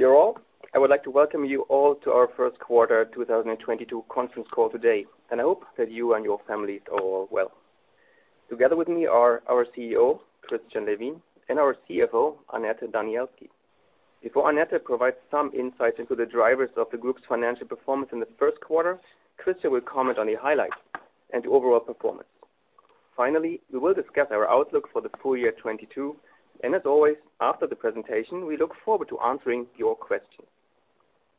Dear all, I would like to welcome you all to our first quarter 2022 conference call today, and I hope that you and your families are all well. Together with me are our CEO, Christian Levin, and our CFO, Annette Danielski. Before Annette provides some insights into the drivers of the group's financial performance in the first quarter, Christian will comment on the highlights and overall performance. Finally, we will discuss our outlook for the full year 2022, and as always, after the presentation, we look forward to answering your questions.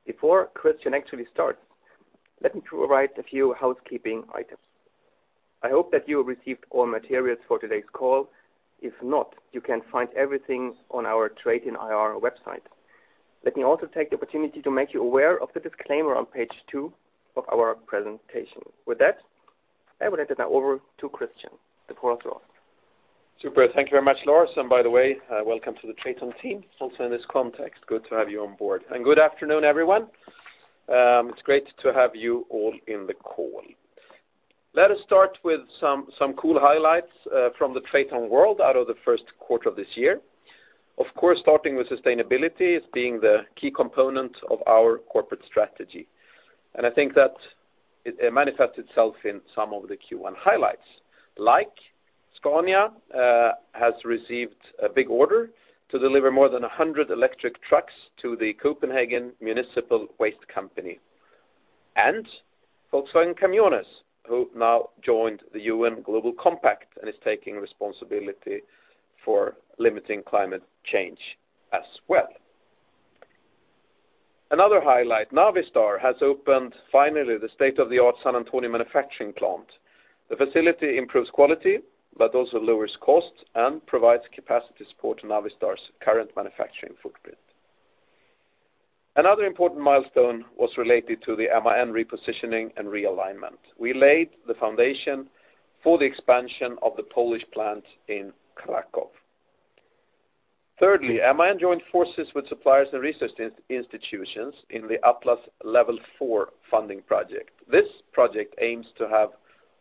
Before Christian actually starts, let me provide a few housekeeping items. I hope that you received all materials for today's call. If not, you can find everything on our TRATON IR website. Let me also take the opportunity to make you aware of the disclaimer on page two of our presentation. With that, I will hand it over to Christian. The floor is yours. Super. Thank you very much, Lars. By the way, welcome to the TRATON team. Also in this context, good to have you on board. Good afternoon, everyone. It's great to have you all in the call. Let us start with some cool highlights from the TRATON world out of the first quarter of this year. Of course, starting with sustainability as being the key component of our corporate strategy. I think that it manifests itself in some of the Q1 highlights, like Scania has received a big order to deliver more than 100 electric trucks to the Copenhagen Municipal Waste Company. Volkswagen Caminhões, who now joined the UN Global Compact and is taking responsibility for limiting climate change as well. Another highlight, Navistar has opened finally the state-of-the-art San Antonio manufacturing plant. The facility improves quality, but also lowers costs and provides capacity support to Navistar's current manufacturing footprint. Another important milestone was related to the MAN repositioning and realignment. We laid the foundation for the expansion of the Polish plant in Kraków. Thirdly, MAN joined forces with suppliers and research institutions in the ATLAS-L4 funding project. This project aims to have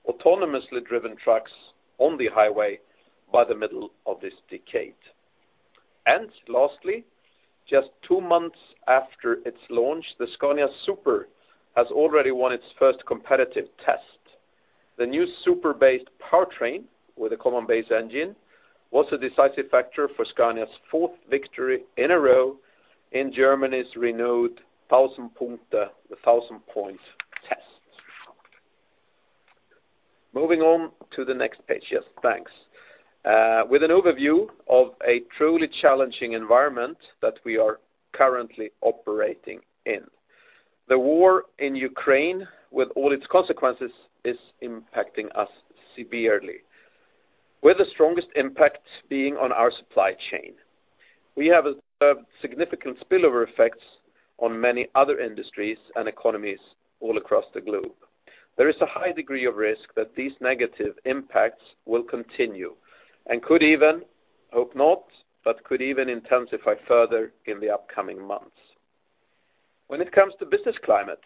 autonomously driven trucks on the highway by the middle of this decade. Lastly, just two months after its launch, the Scania Super has already won its first competitive test. The new Super-based powertrain with a Common Base Engine was a decisive factor for Scania's fourth victory in a row in Germany's renowned 1000-Punkte, the 1000-Punkte-Test. Moving on to the next page. Yes, thanks. With an overview of a truly challenging environment that we are currently operating in. The war in Ukraine, with all its consequences, is impacting us severely, with the strongest impact being on our supply chain. We have significant spillover effects on many other industries and economies all across the globe. There is a high degree of risk that these negative impacts will continue and could even, hope not, but could even intensify further in the upcoming months. When it comes to business climate,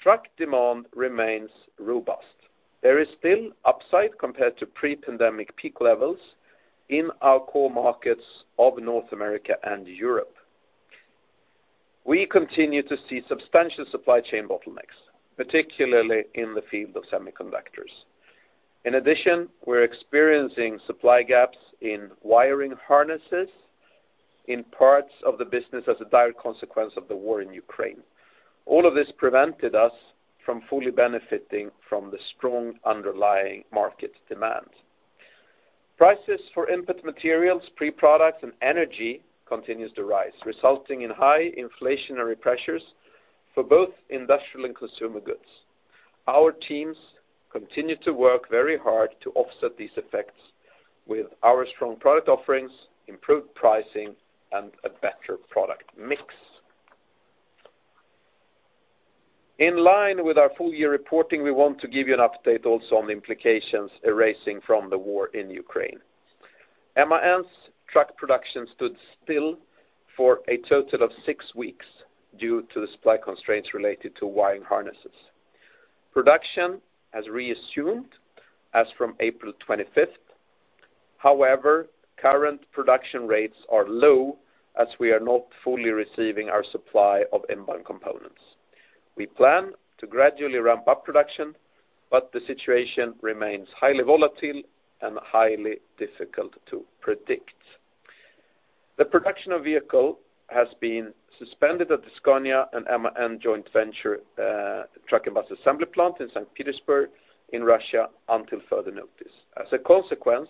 truck demand remains robust. There is still upside compared to pre-pandemic peak levels in our core markets of North America and Europe. We continue to see substantial supply chain bottlenecks, particularly in the field of semiconductors. In addition, we're experiencing supply gaps in wiring harnesses in parts of the business as a direct consequence of the war in Ukraine. All of this prevented us from fully benefiting from the strong underlying market demand. Prices for input materials, pre-products, and energy continues to rise, resulting in high inflationary pressures for both industrial and consumer goods. Our teams continue to work very hard to offset these effects with our strong product offerings, improved pricing, and a better product mix. In line with our full year reporting, we want to give you an update also on the implications arising from the war in Ukraine. MAN's truck production stood still for a total of six weeks due to the supply constraints related to wiring harnesses. Production has resumed as from April 25. However, current production rates are low as we are not fully receiving our supply of inbound components. We plan to gradually ramp up production, but the situation remains highly volatile and highly difficult to predict. The production of vehicle has been suspended at the Scania and MAN joint venture truck and bus assembly plant in St. Petersburg in Russia until further notice. As a consequence,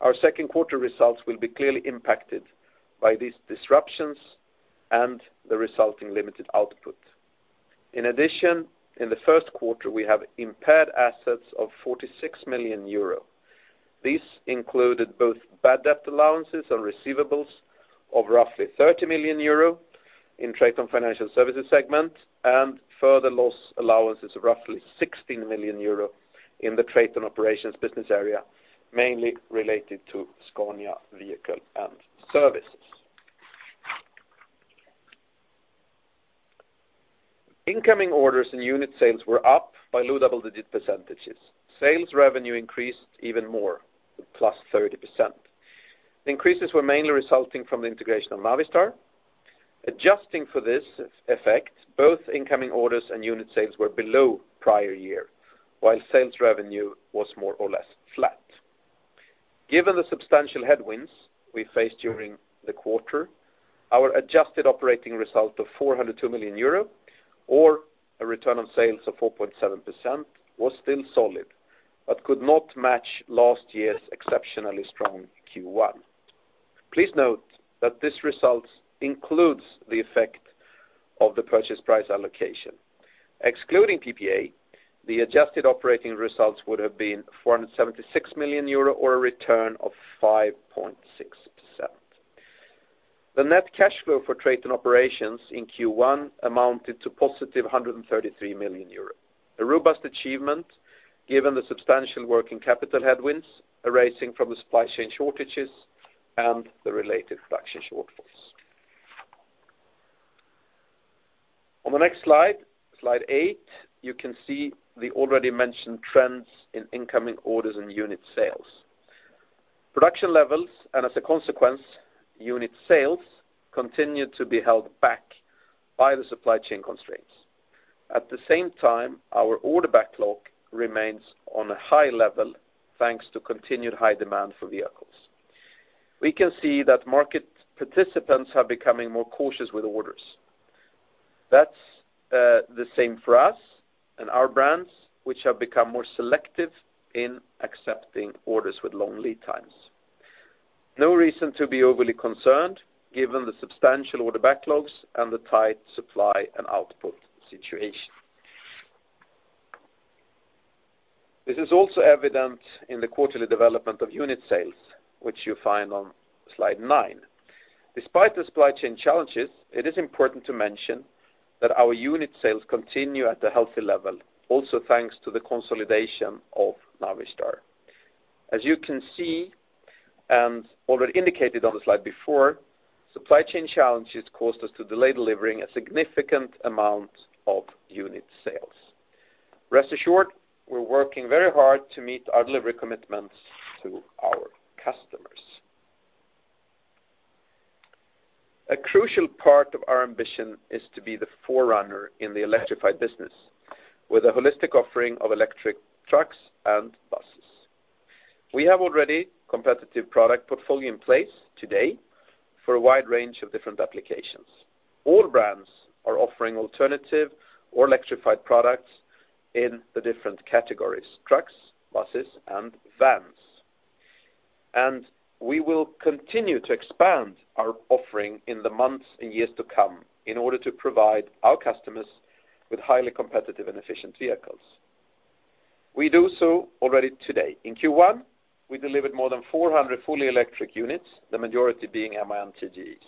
our second quarter results will be clearly impacted by these disruptions and the resulting limited output. In addition, in the first quarter, we have impaired assets of 46 million euro. This included both bad debt allowances and receivables of roughly 30 million euro in TRATON Financial Services segment and further loss allowances of roughly 16 million euro in the TRATON Operations business area, mainly related to Scania Vehicles & Services. Incoming orders and unit sales were up by low double-digit %. Sales revenue increased even more, +30%. Increases were mainly resulting from the integration of Navistar. Adjusting for this effect, both incoming orders and unit sales were below prior year, while sales revenue was more or less flat. Given the substantial headwinds we faced during the quarter, our adjusted operating result of 402 million euro or a return on sales of 4.7% was still solid, but could not match last year's exceptionally strong Q1. Please note that this result includes the effect of the purchase price allocation. Excluding PPA, the adjusted operating results would have been 476 million euro or a return of 5.6%. The net cash flow for TRATON Operations in Q1 amounted to 133 million euros. A robust achievement given the substantial working capital headwinds arising from the supply chain shortages and the related production shortfalls. On the next slide eight, you can see the already mentioned trends in incoming orders and unit sales. Production levels, and as a consequence, unit sales, continued to be held back by the supply chain constraints. At the same time, our order backlog remains on a high level, thanks to continued high demand for vehicles. We can see that market participants are becoming more cautious with orders. That's the same for us and our brands, which have become more selective in accepting orders with long lead times. No reason to be overly concerned given the substantial order backlogs and the tight supply and output situation. This is also evident in the quarterly development of unit sales, which you find on slide nine. Despite the supply chain challenges, it is important to mention that our unit sales continue at a healthy level, also thanks to the consolidation of Navistar. As you can see, and already indicated on the slide before, supply chain challenges caused us to delay delivering a significant amount of unit sales. Rest assured, we're working very hard to meet our delivery commitments to our customers. A crucial part of our ambition is to be the forerunner in the electrified business with a holistic offering of electric trucks and buses. We have already competitive product portfolio in place today for a wide range of different applications. All brands are offering alternative or electrified products in the different categories: trucks, buses, and vans. We will continue to expand our offering in the months and years to come in order to provide our customers with highly competitive and efficient vehicles. We do so already today. In Q1, we delivered more than 400 fully electric units, the majority being MAN TGe.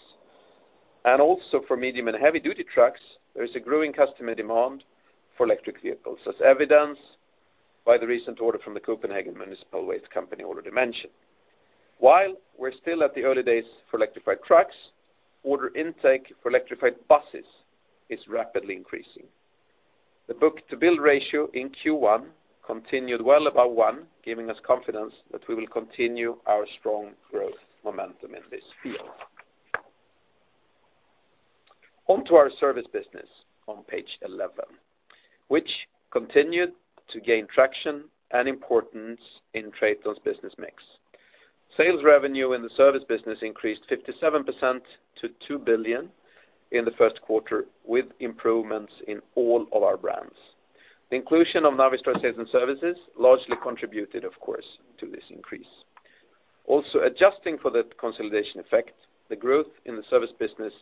Also for medium and heavy-duty trucks, there is a growing customer demand for electric vehicles, as evidenced by the recent order from Amager Ressourcecenter already mentioned. While we're still at the early days for electrified trucks, order intake for electrified buses is rapidly increasing. The book-to-bill ratio in Q1 continued well above one, giving us confidence that we will continue our strong growth momentum in this field. On to our service business on page 11, which continued to gain traction and importance in TRATON's business mix. Sales revenue in the service business increased 57% to 2 billion in the first quarter, with improvements in all of our brands. The inclusion of Navistar Sales & Services largely contributed, of course, to this increase. Also, adjusting for that consolidation effect, the growth in the service business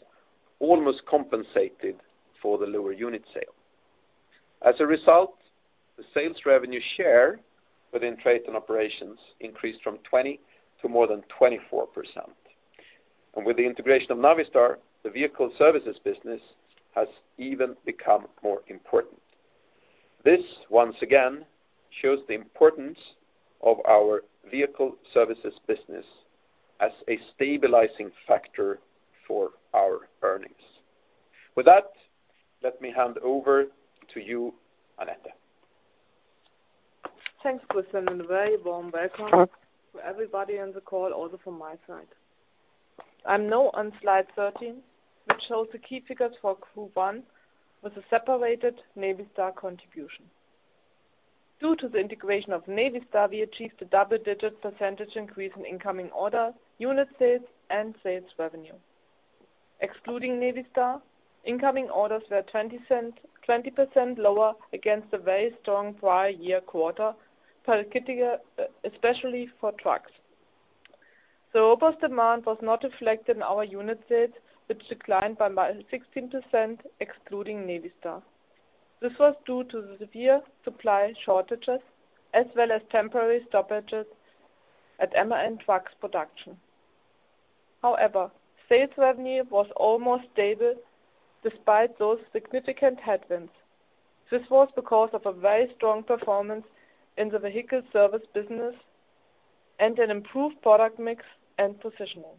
almost compensated for the lower unit sales. As a result, the sales revenue share within TRATON Operations increased from 20 to more than 24%. With the integration of Navistar, the vehicle services business has even become more important. This, once again, shows the importance of our vehicle services business as a stabilizing factor for our earnings. With that, let me hand over to you, Annette. Thanks, Christian, and a very warm welcome to everybody on the call, also from my side. I'm now on slide 13, which shows the key figures for Q1 with a separated Navistar contribution. Due to the integration of Navistar, we achieved a double-digit percentage increase in incoming order, unit sales, and sales revenue. Excluding Navistar, incoming orders were 20% lower against a very strong prior year quarter, particularly, especially for trucks. The robust demand was not reflected in our unit sales, which declined by 16% excluding Navistar. This was due to the severe supply shortages as well as temporary stoppages at MAN Truck's production. However, sales revenue was almost stable despite those significant headwinds. This was because of a very strong performance in the vehicle service business and an improved product mix and positioning.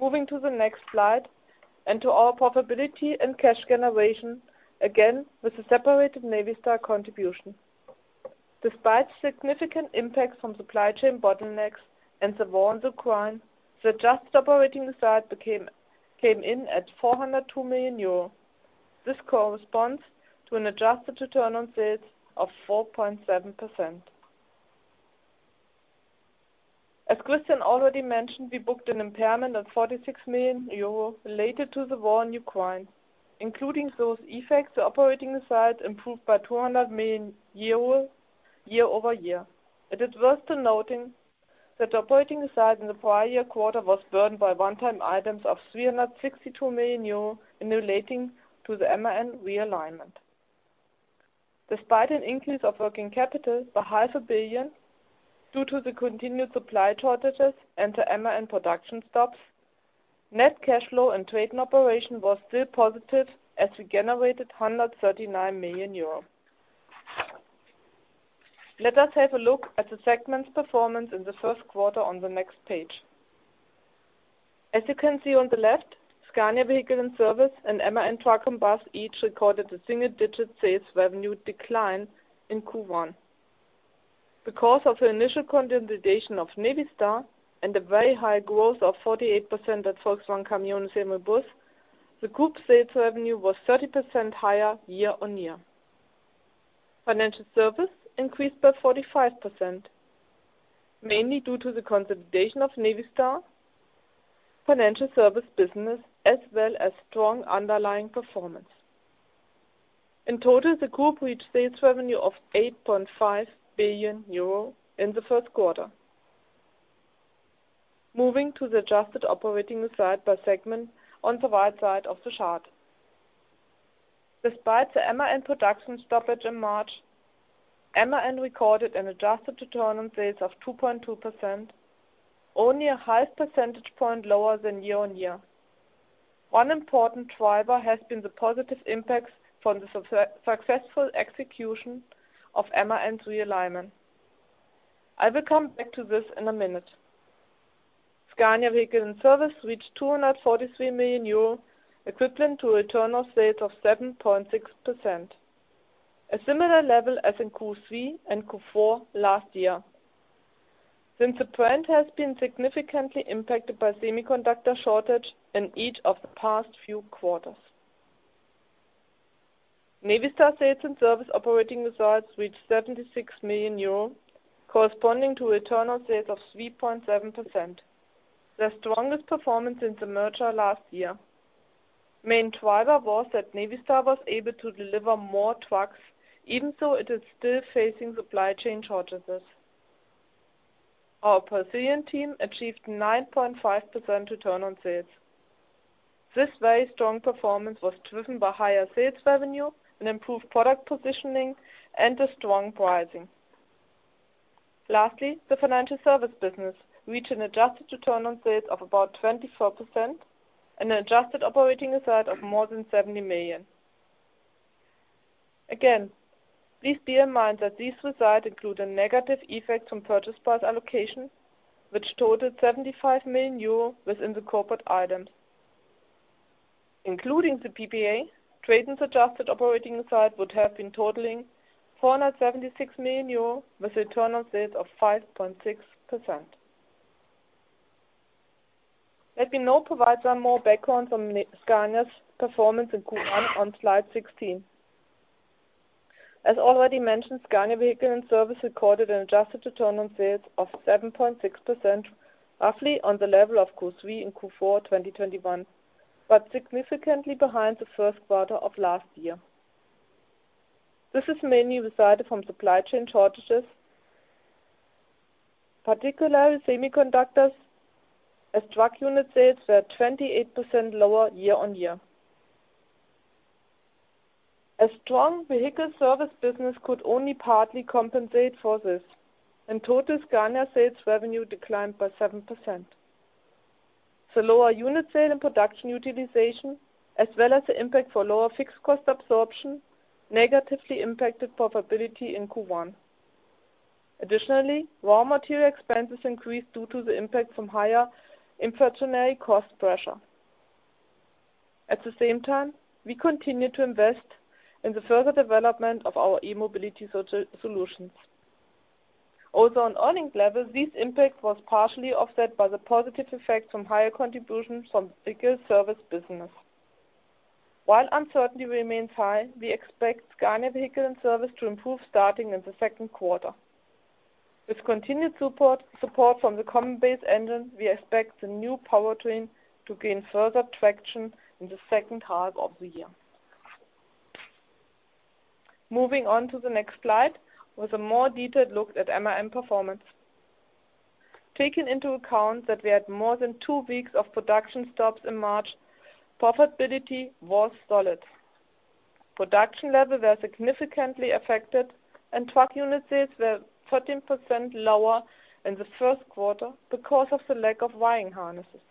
Moving to the next slide and to our profitability and cash generation, again, with the separated Navistar contribution. Despite significant impacts from supply chain bottlenecks and the war on Ukraine, the adjusted operating result came in at 402 million euro. This corresponds to an adjusted return on sales of 4.7%. As Christian already mentioned, we booked an impairment of 46 million euro related to the war in Ukraine, including those effects, the operating results improved by 200 million year-over-year. It is worth noting that operating results in the prior year quarter was burdened by one-time items of 362 million euro in relating to the MAN realignment. Despite an increase of working capital by EUR half a billion due to the continued supply shortages and the MAN production stops, net cash flow and TRATON Operation was still positive, as we generated 139 million euro. Let us have a look at the segment's performance in the first quarter on the next page. As you can see on the left, Scania Vehicles & Services and MAN Truck & Bus each recorded a single-digit sales revenue decline in Q1. Because of the initial consolidation of Navistar and the very high growth of 48% at Volkswagen Caminhões e Ônibus, the group sales revenue was 30% higher year-on-year. Financial Services increased by 45%, mainly due to the consolidation of Navistar Financial Services business, as well as strong underlying performance. In total, the group reached sales revenue of 8.5 billion euro in the first quarter. Moving to the adjusted operating result by segment on the right side of the chart. Despite the MAN production stoppage in March, MAN recorded an adjusted return on sales of 2.2%, only a half percentage point lower than year-on-year. One important driver has been the positive impacts from the successful execution of MAN's realignment. I will come back to this in a minute. Scania Vehicles & Services reached 243 million euro, equivalent to a return on sales of 7.6%. A similar level as in Q3 and Q4 last year, since the brand has been significantly impacted by semiconductor shortage in each of the past few quarters. Navistar Sales & Services operating results reached 76 million euro, corresponding to a return on sales of 3.7%. The strongest performance since the merger last year. Main driver was that Navistar was able to deliver more trucks, even so it is still facing supply chain shortages. Our Brazilian team achieved 9.5% return on sales. This very strong performance was driven by higher sales revenue and improved product positioning and a strong pricing. Lastly, the financial service business reached an adjusted return on sales of about 24% and an adjusted operating result of more than 70 million. Again, please bear in mind that these results include a negative effect from purchase price allocation, which totaled 75 million euro within the corporate items. Including the PPA, TRATON's adjusted operating result would have been totaling 476 million euro with a return on sales of 5.6%. Let me now provide some more background from Scania's performance in Q1 on slide 16. As already mentioned, Scania Vehicles & Services recorded an adjusted return on sales of 7.6%, roughly on the level of Q3 and Q4 2021, but significantly behind the first quarter of last year. This is mainly resulted from supply chain shortages, particularly semiconductors, as truck unit sales were 28% lower year-on-year. A strong vehicle service business could only partly compensate for this. In total, Scania sales revenue declined by 7%. The lower unit sales and production utilization, as well as the impact of lower fixed cost absorption, negatively impacted profitability in Q1. Additionally, raw material expenses increased due to the impact from higher inflationary cost pressure. At the same time, we continued to invest in the further development of our e-mobility solutions. Also, on earnings level, this impact was partially offset by the positive effect from higher contributions from vehicle service business. While uncertainty remains high, we expect Scania Vehicles & Services to improve starting in the second quarter. With continued support from the Common Base Engine, we expect the new powertrain to gain further traction in the second half of the year. Moving on to the next slide with a more detailed look at MAN performance. Taking into account that we had more than two weeks of production stops in March, profitability was solid. Production levels were significantly affected and truck unit sales were 13% lower in the first quarter because of the lack of wiring harnesses.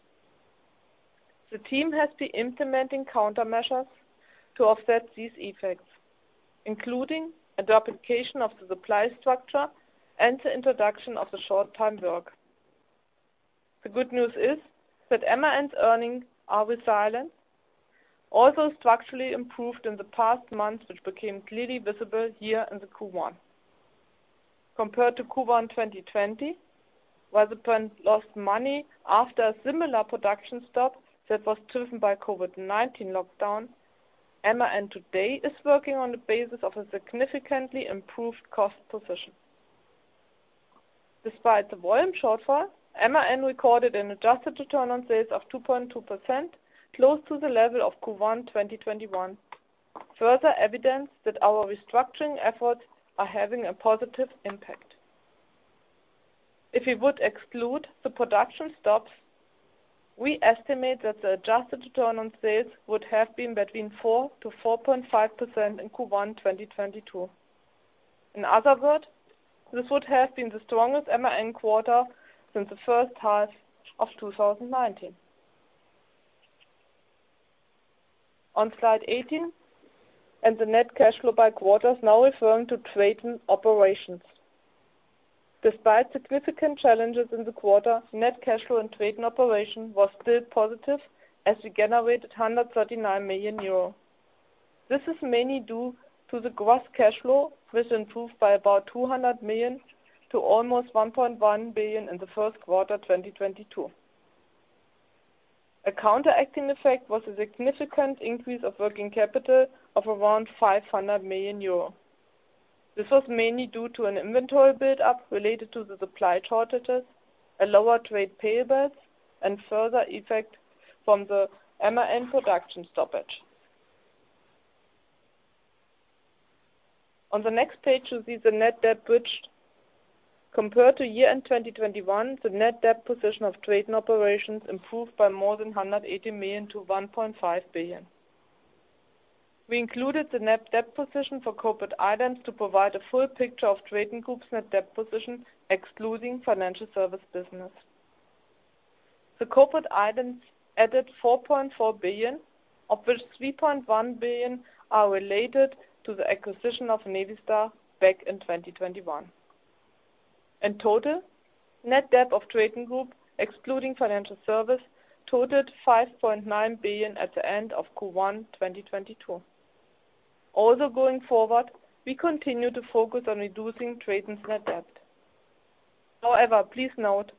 The team has been implementing countermeasures to offset these effects, including adaptation of the supply structure and the introduction of the short-time work. The good news is that MAN's earnings are resilient, also structurally improved in the past months, which became clearly visible here in the Q1. Compared to Q1 in 2020, where the brand lost money after a similar production stop that was driven by COVID-19 lockdown, MAN today is working on the basis of a significantly improved cost position. Despite the volume shortfall, MAN recorded an adjusted return on sales of 2.2%, close to the level of Q1 2021. Further evidence that our restructuring efforts are having a positive impact. If we would exclude the production stops, we estimate that the adjusted return on sales would have been between 4%-4.5% in Q1 2022. In other words, this would have been the strongest MAN quarter since the first half of 2019. On slide 18, the net cash flow by quarter is now referring to TRATON Operations. Despite significant challenges in the quarter, net cash flow in TRATON Operations was still positive, as we generated 139 million euro. This is mainly due to the gross cash flow, which improved by about 200 million to almost 1.1 billion in the first quarter 2022. A counteracting effect was a significant increase of working capital of around 500 million euro. This was mainly due to an inventory build-up related to the supply shortages, a lower trade pay base, and further effect from the MAN production stoppage. On the next page, you see the net debt bridge. Compared to year-end 2021, the net debt position of TRATON Operations improved by more than 180 million to 1.5 billion. We included the net debt position for corporate items to provide a full picture of TRATON Group's net debt position, excluding financial service business. The corporate items added 4.4 billion, of which 3.1 billion are related to the acquisition of Navistar back in 2021. In total, net debt of TRATON Group, excluding financial service, totaled 5.9 billion at the end of Q1 2022. Also, going forward, we continue to focus on reducing TRATON's net debt. However, please note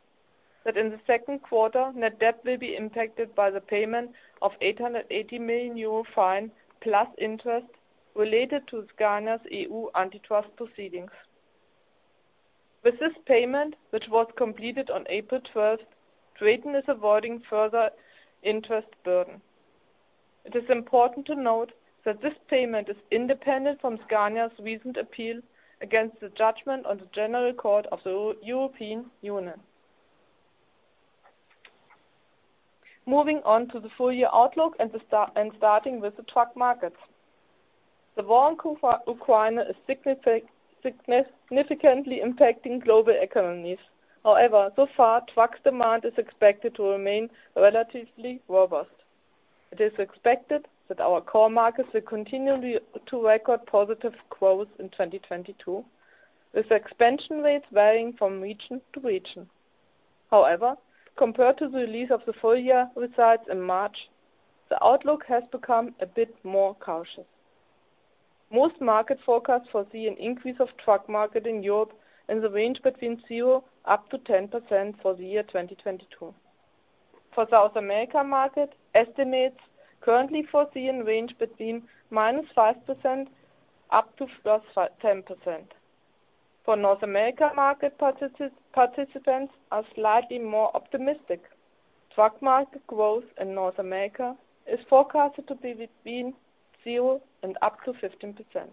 that in the second quarter, net debt will be impacted by the payment of 880 million euro fine plus interest related to Scania's EU antitrust proceedings. With this payment, which was completed on April 12th, TRATON is avoiding further interest burden. It is important to note that this payment is independent from Scania's recent appeal against the judgment on the General Court of the European Union. Moving on to the full year outlook and starting with the truck markets. The war in Ukraine is significantly impacting global economies. However, so far, truck demand is expected to remain relatively robust. It is expected that our core markets will continue to record positive growth in 2022, with expansion rates varying from region to region. However, compared to the release of the full year results in March, the outlook has become a bit more cautious. Most market forecasts foresee an increase of truck market in Europe in the range between 0%-10% for the year 2022. For South America market, estimates currently foresee in range between -5% up to +10%. For North America market participants are slightly more optimistic. Truck market growth in North America is forecasted to be between 0% and up to 15%.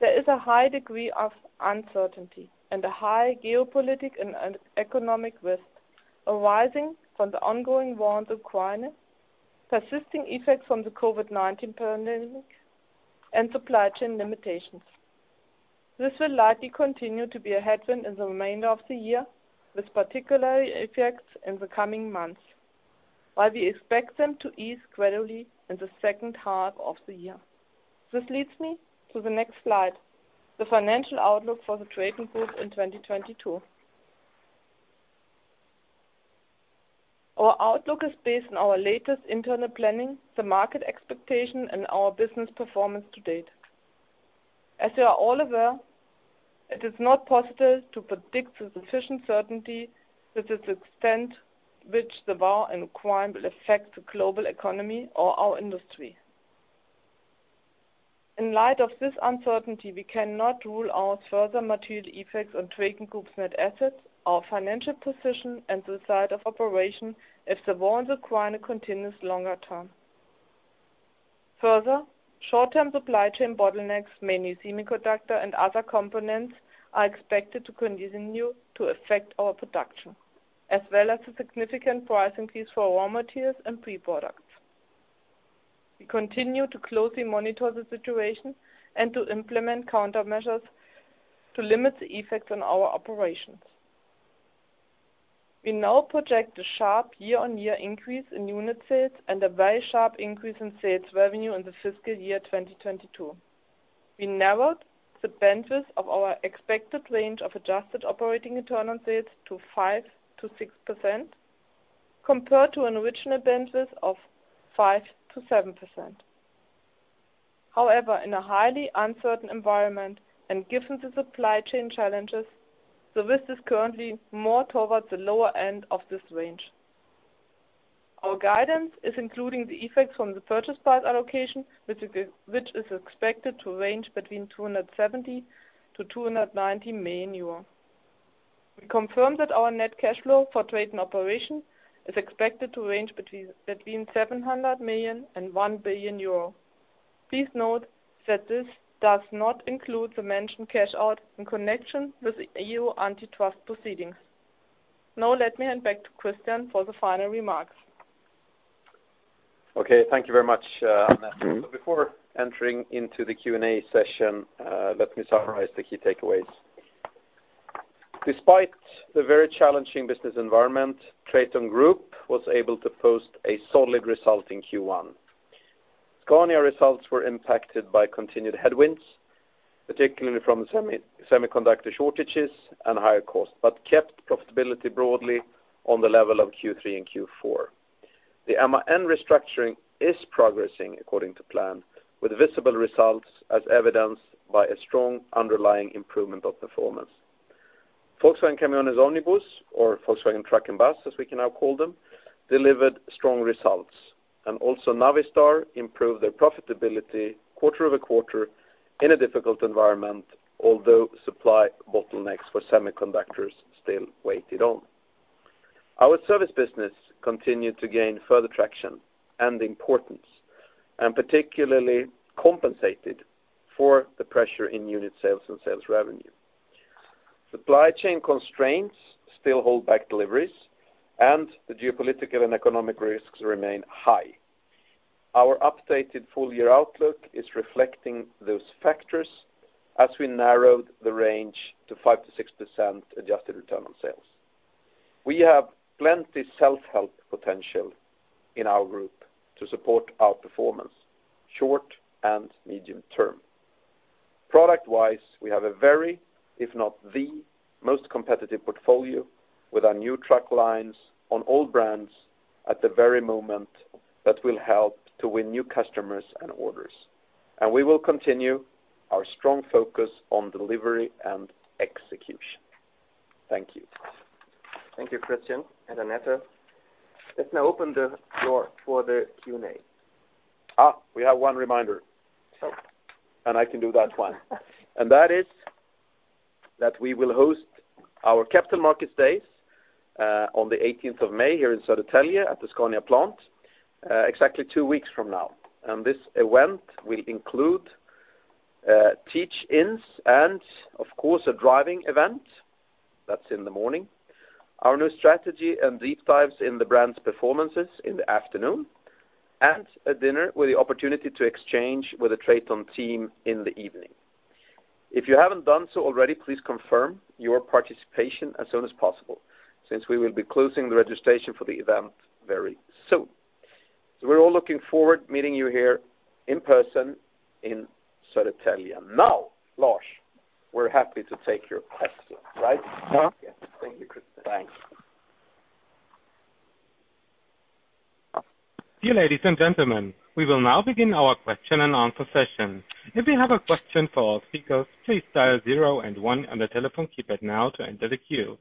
There is a high degree of uncertainty and a high geopolitical and economic risk arising from the ongoing war in Ukraine, persisting effects from the COVID-19 pandemic, and supply chain limitations. This will likely continue to be a headwind in the remainder of the year, with particular effects in the coming months, while we expect them to ease gradually in the second half of the year. This leads me to the next slide, the financial outlook for the TRATON Group in 2022. Our outlook is based on our latest internal planning, the market expectation, and our business performance to date. As you are all aware, it is not possible to predict with sufficient certainty the extent which the war in Ukraine will affect the global economy or our industry. In light of this uncertainty, we cannot rule out further material effects on TRATON Group's net assets, our financial position, and the results of operations if the war in Ukraine continues longer term. Further, short-term supply chain bottlenecks, mainly semiconductor and other components, are expected to continue to affect our production, as well as the significant price increase for raw materials and pre-products. We continue to closely monitor the situation and to implement countermeasures to limit the effects on our operations. We now project a sharp year-on-year increase in unit sales and a very sharp increase in sales revenue in the fiscal year 2022. We narrowed the bandwidth of our expected range of adjusted operating return on sales to 5%-6% compared to an original bandwidth of 5%-7%. However, in a highly uncertain environment and given the supply chain challenges, the risk is currently more towards the lower end of this range. Our guidance is including the effects from the purchase price allocation, which is expected to range between 270 million and 290 million euro. We confirm that our net cash flow from TRATON Operations is expected to range between 700 million and 1 billion euro. Please note that this does not include the mentioned cash out in connection with EU antitrust proceedings. Now let me hand back to Christian for the final remarks. Okay, thank you very much, Annette. Before entering into the Q&A session, let me summarize the key takeaways. Despite the very challenging business environment, TRATON Group was able to post a solid result in Q1. Scania results were impacted by continued headwinds, particularly from semiconductor shortages and higher costs, but kept profitability broadly on the level of Q3 and Q4. The MAN restructuring is progressing according to plan, with visible results as evidenced by a strong underlying improvement of performance. Volkswagen Caminhões e Ônibus, or Volkswagen Truck & Bus, as we can now call them, delivered strong results. Also Navistar improved their profitability quarter-over-quarter in a difficult environment, although supply bottlenecks for semiconductors still weighed on. Our service business continued to gain further traction and importance, and particularly compensated for the pressure in unit sales and sales revenue. Supply chain constraints still hold back deliveries, and the geopolitical and economic risks remain high. Our updated full year outlook is reflecting those factors as we narrowed the range to 5%-6% adjusted return on sales. We have plenty self-help potential in our group to support our performance, short and medium term. Product-wise, we have a very, if not the most competitive portfolio with our new truck lines on all brands at the very moment that will help to win new customers and orders. We will continue our strong focus on delivery and execution. Thank you. Thank you, Christian and Annette. Let's now open the floor for the Q&A. We have one reminder. Sure. I can do that one. That is that we will host our Capital Markets Days on the eighteenth of May here in Södertälje at the Scania plant exactly two weeks from now. This event will include teach-ins and of course a driving event, that's in the morning, our new strategy and deep dives in the brand's performances in the afternoon, and a dinner with the opportunity to exchange with the TRATON team in the evening. If you haven't done so already, please confirm your participation as soon as possible, since we will be closing the registration for the event very soon. We're all looking forward meeting you here in person in Södertälje. Now, Lars, we're happy to take your questions, right? Yes. Thank you, Christian. Thanks. Dear ladies and gentlemen, we will now begin our question-and-answer session. If you have a question for our speakers, please dial zero and one on the telephone keypad now to enter the queue.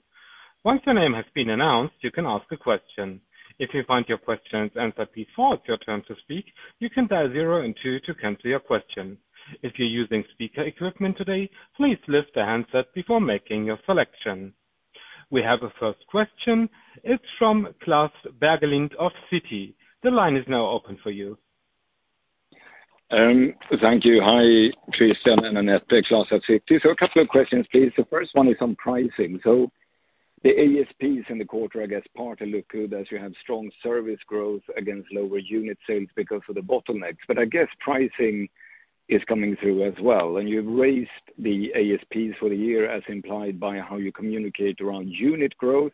Once your name has been announced, you can ask a question. If you find your question's answered before it's your turn to speak, you can dial zero and two to cancel your question. If you're using speaker equipment today, please lift the handset before making your selection. We have a first question. It's from Klas Bergelind of Citi. The line is now open for you. Thank you. Hi, Christian and Annette. Klas at Citi. A couple of questions, please. The first one is on pricing. The ASPs in the quarter, I guess, partly look good as you have strong service growth against lower unit sales because of the bottlenecks. I guess pricing is coming through as well. You've raised the ASPs for the year as implied by how you communicate around unit growth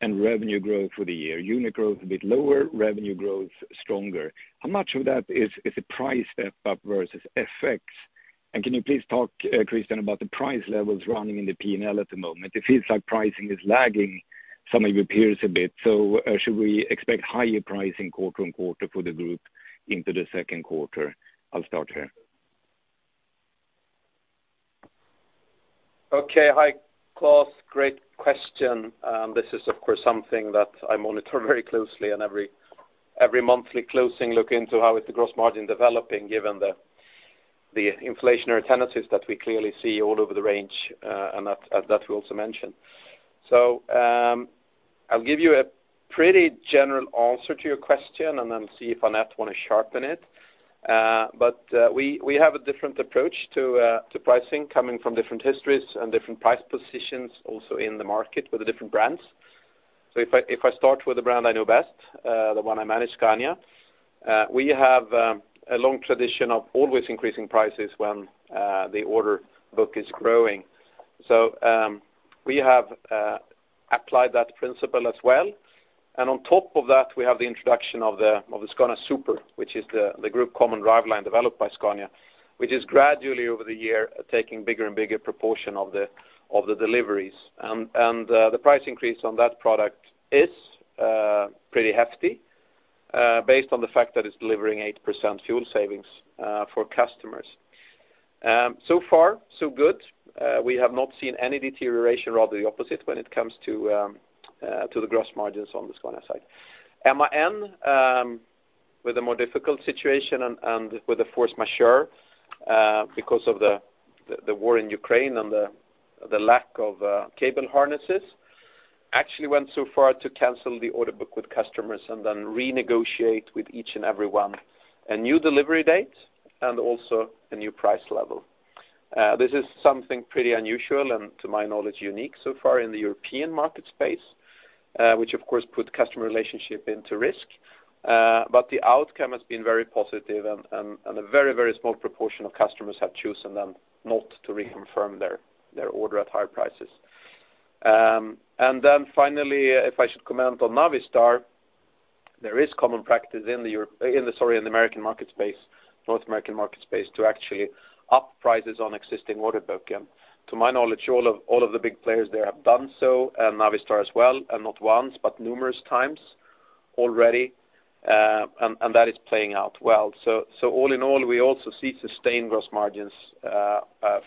and revenue growth for the year. Unit growth a bit lower, revenue growth stronger. How much of that is a price step-up versus FX? Can you please talk, Christian, about the price levels running in the P&L at the moment? It feels like pricing is lagging some of your peers a bit. Should we expect higher pricing quarter on quarter for the group into the second quarter? I'll start here. Okay. Hi, Klas. Great question. This is of course something that I monitor very closely on every monthly closing look into how the gross margin is developing given the inflationary tendencies that we clearly see all over the range, and that we also mentioned. I'll give you a pretty general answer to your question and then see if Annette wanna sharpen it. We have a different approach to pricing coming from different histories and different price positions also in the market with the different brands. If I start with the brand I know best, the one I manage, Scania, we have a long tradition of always increasing prices when the order book is growing. We have applied that principle as well. On top of that, we have the introduction of the Scania Super, which is the group common driveline developed by Scania, which is gradually over the year taking bigger and bigger proportion of the deliveries. The price increase on that product is pretty hefty, based on the fact that it's delivering 8% fuel savings for customers. So far so good. We have not seen any deterioration, rather the opposite, when it comes to the gross margins on the Scania side. MAN with a more difficult situation and with a force majeure because of the war in Ukraine and the lack of cable harnesses actually went so far to cancel the order book with customers and then renegotiate with each and every one a new delivery date and also a new price level. This is something pretty unusual and to my knowledge, unique so far in the European market space, which of course put customer relationship into risk. The outcome has been very positive and a very small proportion of customers have chosen then not to reconfirm their order at higher prices. If I should comment on Navistar, there is common practice in the, sorry, in the American market space, North American market space, to actually up prices on existing order book. To my knowledge, all of the big players there have done so, and Navistar as well, and not once, but numerous times already. And that is playing out well. All in all, we also see sustained gross margins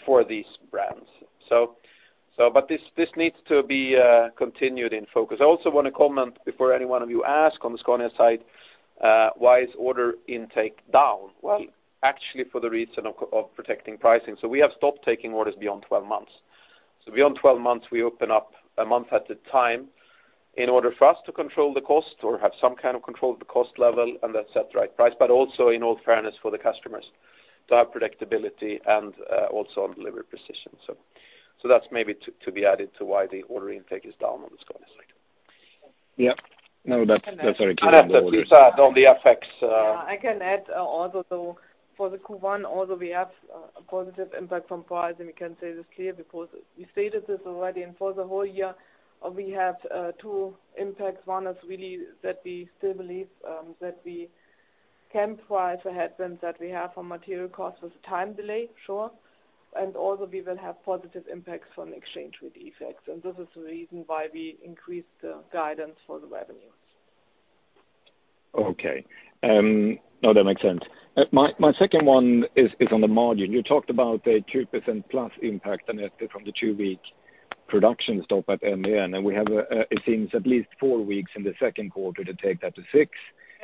for these brands. But this needs to be continued in focus. I also wanna comment before any one of you ask on the Scania side, why is order intake down? Well, actually for the reason of protecting pricing. We have stopped taking orders beyond 12 months. Beyond 12 months, we open up a month at a time in order for us to control the cost or have some kind of control of the cost level and then set the right price, but also in all fairness for the customers to have predictability and also on delivery precision. That's maybe to be added to why the order intake is down on the Scania side. Yeah. No, that's very clear. After you said on the FX. Yeah, I can add, also though, for the Q1, although we have a positive impact from price, and we can say this clear because we stated this already, for the whole year, we have two impacts. One is really that we still believe that we can price the headwind that we have on material costs with time delay, sure. Also we will have positive impacts from exchange rate effects. This is the reason why we increased the guidance for the revenues. Okay. No, that makes sense. My second one is on the margin. You talked about a 2%+ impact on it from the two-week production stop at MAN. We have it seems at least four weeks in the second quarter to take that to six.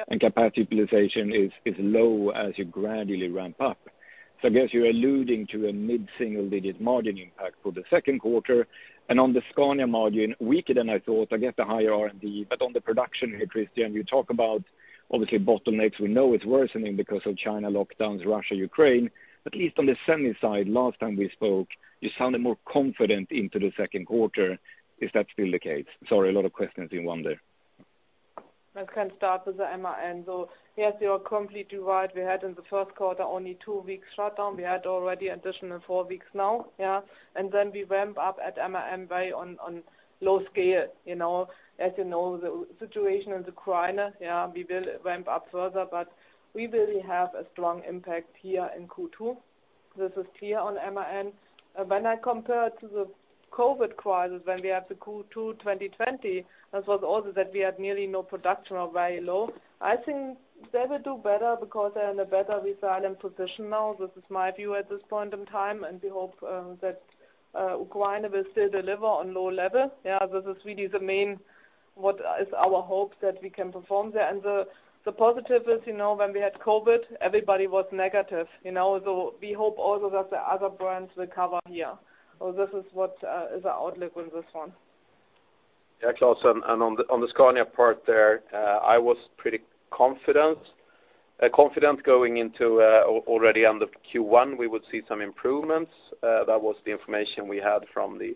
Yep. Capacity utilization is low as you gradually ramp up. I guess you're alluding to a mid-single digit margin impact for the second quarter. On the Scania margin, weaker than I thought, I guess the higher R&D. On the production here, Christian, you talk about obviously bottlenecks, we know it's worsening because of China lockdowns, Russia, Ukraine. At least on the semi side, last time we spoke, you sounded more confident into the second quarter. Is that still the case? Sorry, a lot of questions in one there. I can start with the MAN. Yes, you are completely right. We had in the first quarter only two weeks shutdown. We had already additional four weeks now. We ramp up at MAN very on low scale, you know. As you know, the situation in the Ukraine, we will ramp up further, but we really have a strong impact here in Q2. This is clear on MAN. When I compare to the COVID crisis when we had the Q2 2020, this was also that we had nearly no production or very low. I think they will do better because they're in a better resilient position now. This is my view at this point in time, and we hope that Ukraine will still deliver on low level. This is really the main what is our hope that we can perform there. The positive is, you know, when we had COVID, everybody was negative. You know, we hope also that the other brands recover here. This is what is our outlook on this one. Yeah, Klas, on the Scania part there, I was pretty confident going into already end of Q1, we would see some improvements. That was the information we had from the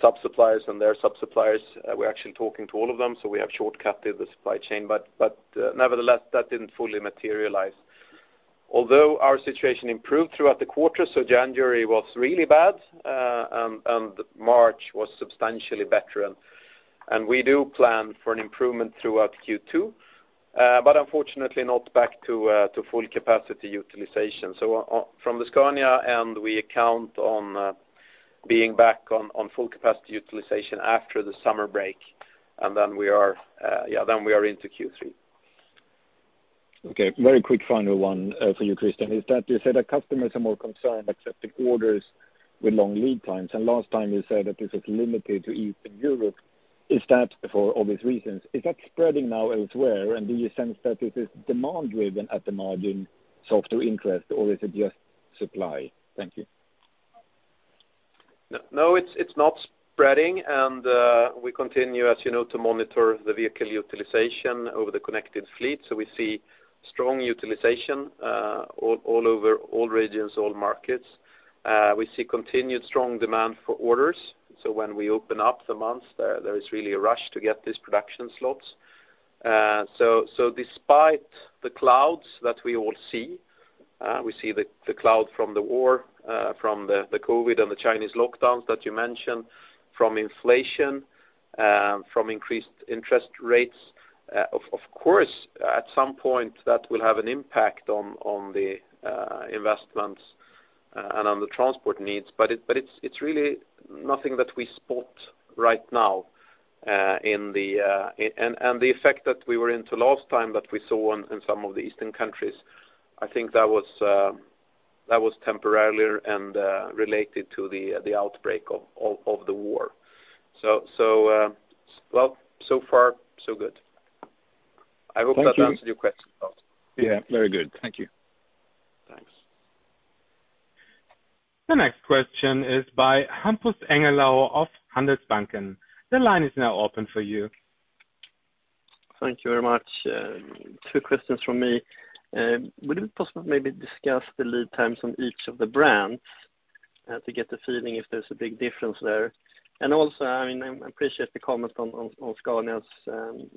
sub-suppliers and their sub-suppliers. We're actually talking to all of them, so we have short-circuited the supply chain. Nevertheless, that didn't fully materialize. Although our situation improved throughout the quarter, so January was really bad and March was substantially better. We do plan for an improvement throughout Q2, but unfortunately not back to full capacity utilization. From the Scania end, we count on being back on full capacity utilization after the summer break. We are into Q3. Okay. Very quick final one for you, Christian, is that you said that customers are more concerned accepting orders with long lead times. Last time you said that this is limited to Eastern Europe. Is that for obvious reasons? Is that spreading now elsewhere? Do you sense that it is demand-driven at the margin, softer interest, or is it just supply? Thank you. No, it's not spreading. We continue, as you know, to monitor the vehicle utilization over the connected fleet. We see strong utilization all over all regions, all markets. We see continued strong demand for orders. When we open up the months, there is really a rush to get these production slots. Despite the clouds that we all see, we see the cloud from the war, from the COVID and the Chinese lockdowns that you mentioned, from inflation, from increased interest rates. Of course, at some point, that will have an impact on the investments and on the transport needs, but it's really nothing that we spot right now, and the effect that we were into last time that we saw in some of the eastern countries. I think that was temporary and related to the outbreak of the war. Well, so far so good. I hope that answered your question as well. Yeah, very good. Thank you. Thanks. The next question is by Hampus Engellau of Handelsbanken. The line is now open for you. Thank you very much. Two questions from me. Would it be possible to maybe discuss the lead times on each of the brands to get the feeling if there's a big difference there? Also, I mean, I appreciate the comments on Scania's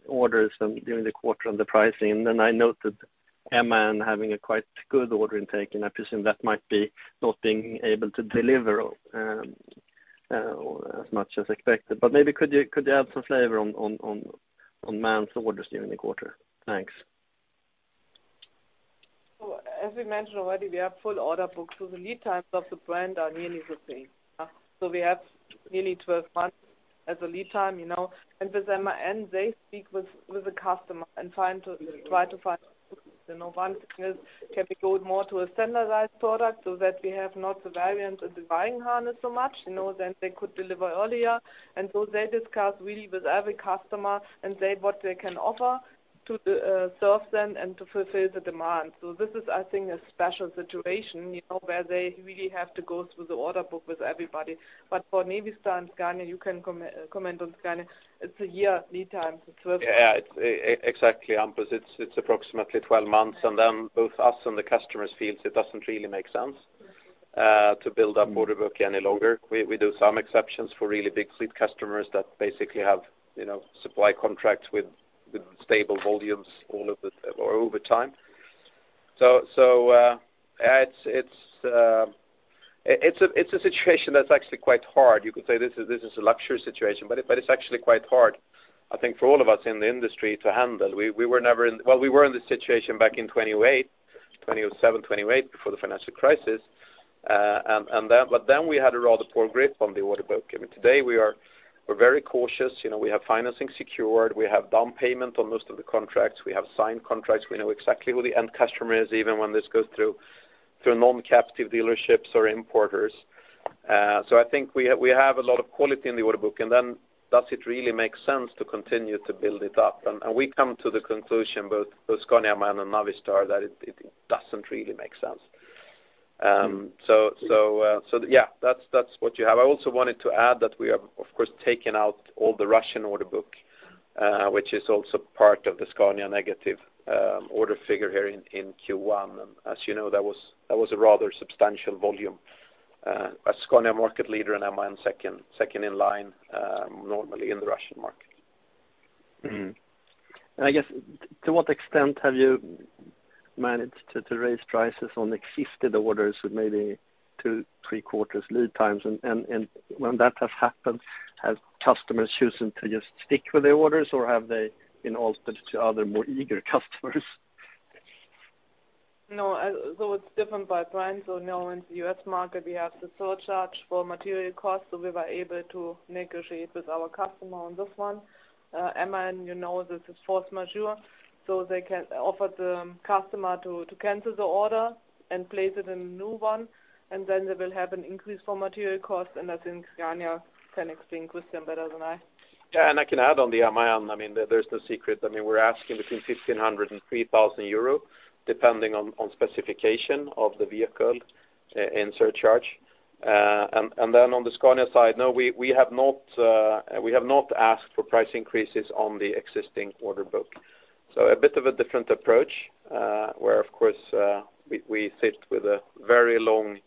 orders during the quarter and the pricing. I noted MAN having a quite good order intake, and I presume that might be not being able to deliver as much as expected. Maybe could you add some flavor on MAN's orders during the quarter? Thanks. As we mentioned already, we have full order books. The lead times of the brand are nearly the same. We have nearly 12 months as a lead time, you know. With MAN, they speak with the customer and try to find, you know, one can go more to a standardized product so that we have not the variety of wiring harness so much, you know, then they could deliver earlier. They discuss really with every customer and say what they can offer to serve them and to fulfill the demand. This is, I think, a special situation, you know, where they really have to go through the order book with everybody. For Navistar and Scania, you can comment on Scania. It's a year lead time. It's twelve- Yeah. Exactly, Hampus. It's approximately 12 months, and then both us and the customers feels it doesn't really make sense to build up order book any longer. We do some exceptions for really big fleet customers that basically have, you know, supply contracts with stable volumes all of the, or over time. It's a situation that's actually quite hard. You could say this is a luxury situation, but it's actually quite hard, I think, for all of us in the industry to handle. Well, we were in this situation back in 2008, 2007, 2008 before the financial crisis. But then we had a rather poor grip on the order book. I mean, today we're very cautious. You know, we have financing secured. We have down payment on most of the contracts. We have signed contracts. We know exactly who the end customer is, even when this goes through non-captive dealerships or importers. I think we have a lot of quality in the order book, and then does it really make sense to continue to build it up? We come to the conclusion, both Scania, MAN, and Navistar, that it doesn't really make sense. Yeah, that's what you have. I also wanted to add that we have, of course, taken out all the Russian order book, which is also part of the Scania negative order figure here in Q1. As you know, that was a rather substantial volume, as Scania market leader and MAN second in line, normally in the Russian market. I guess to what extent have you managed to raise prices on existing orders with maybe two, three quarters lead times? When that has happened, have customers chosen to just stick with their orders, or have they been offered to other more eager customers? No, it's different by brand. Now in the U.S. market, we have the surcharge for material costs, so we were able to negotiate with our customer on this one. MAN, you know, this is force majeure, so they can offer the customer to cancel the order and place it in a new one, and then they will have an increase for material cost. I think Scania can explain this better than I. Yeah, I can add on the MAN. I mean, there's no secret. I mean, we're asking between 1,500 euro and 3,000 euro, depending on specification of the vehicle, in surcharge. On the Scania side, no, we have not asked for price increases on the existing order book. A bit of a different approach, where of course we sit with a very long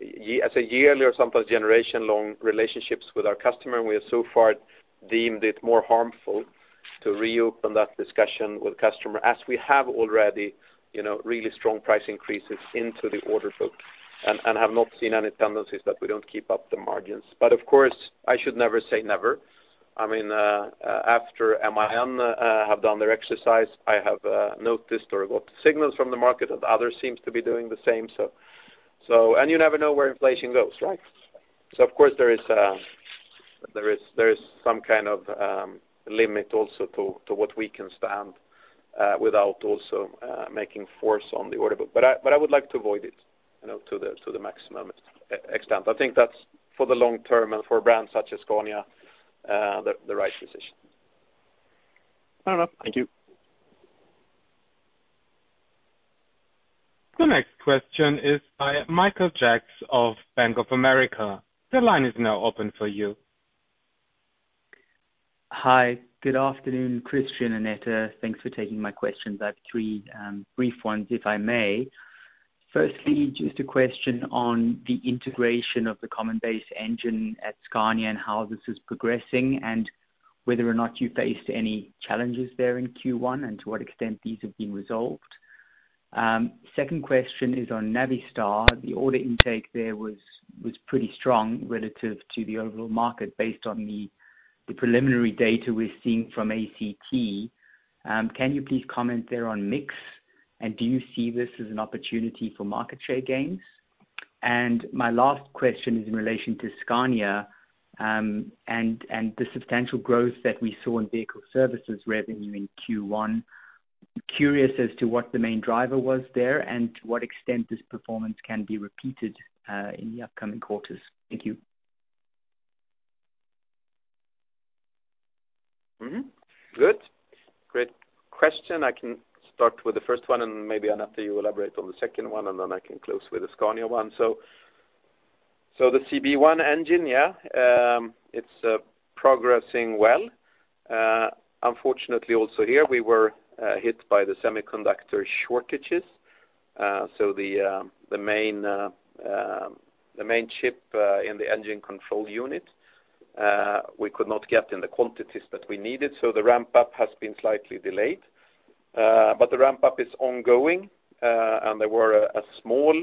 yearly or sometimes generation-long relationships with our customer, and we have so far deemed it more harmful to reopen that discussion with customer, as we have already, you know, really strong price increases into the order book and have not seen any tendencies that we don't keep up the margins. Of course, I should never say never. I mean, after MAN have done their exercise, I have noticed or got signals from the market that others seems to be doing the same. You never know where inflation goes, right? Of course there is some kind of limit also to what we can stand without also making force on the order book. I would like to avoid it, you know, to the maximum extent. I think that's for the long term and for brands such as Scania the right decision. Fair enough. Thank you. The next question is by Michael Jacks of Bank of America. The line is now open for you. Hi, good afternoon, Christian and Annette. Thanks for taking my questions. I have three brief ones, if I may. Firstly, just a question on the integration of the Common Base Engine at Scania and how this is progressing, and whether or not you faced any challenges there in Q1 and to what extent these have been resolved. Second question is on Navistar. The order intake there was pretty strong relative to the overall market, based on the preliminary data we're seeing from ACT. Can you please comment there on mix? And do you see this as an opportunity for market share gains? And my last question is in relation to Scania and the substantial growth that we saw in vehicle services revenue in Q1. Curious as to what the main driver was there and to what extent this performance can be repeated in the upcoming quarters? Thank you. Good. Great question. I can start with the first one, and maybe Annette, you elaborate on the second one, and then I can close with the Scania one. The CB one engine is progressing well. Unfortunately, also here we were hit by the semiconductor shortages. The main chip in the engine control unit we could not get in the quantities that we needed, so the ramp up has been slightly delayed. The ramp up is ongoing, and there were a small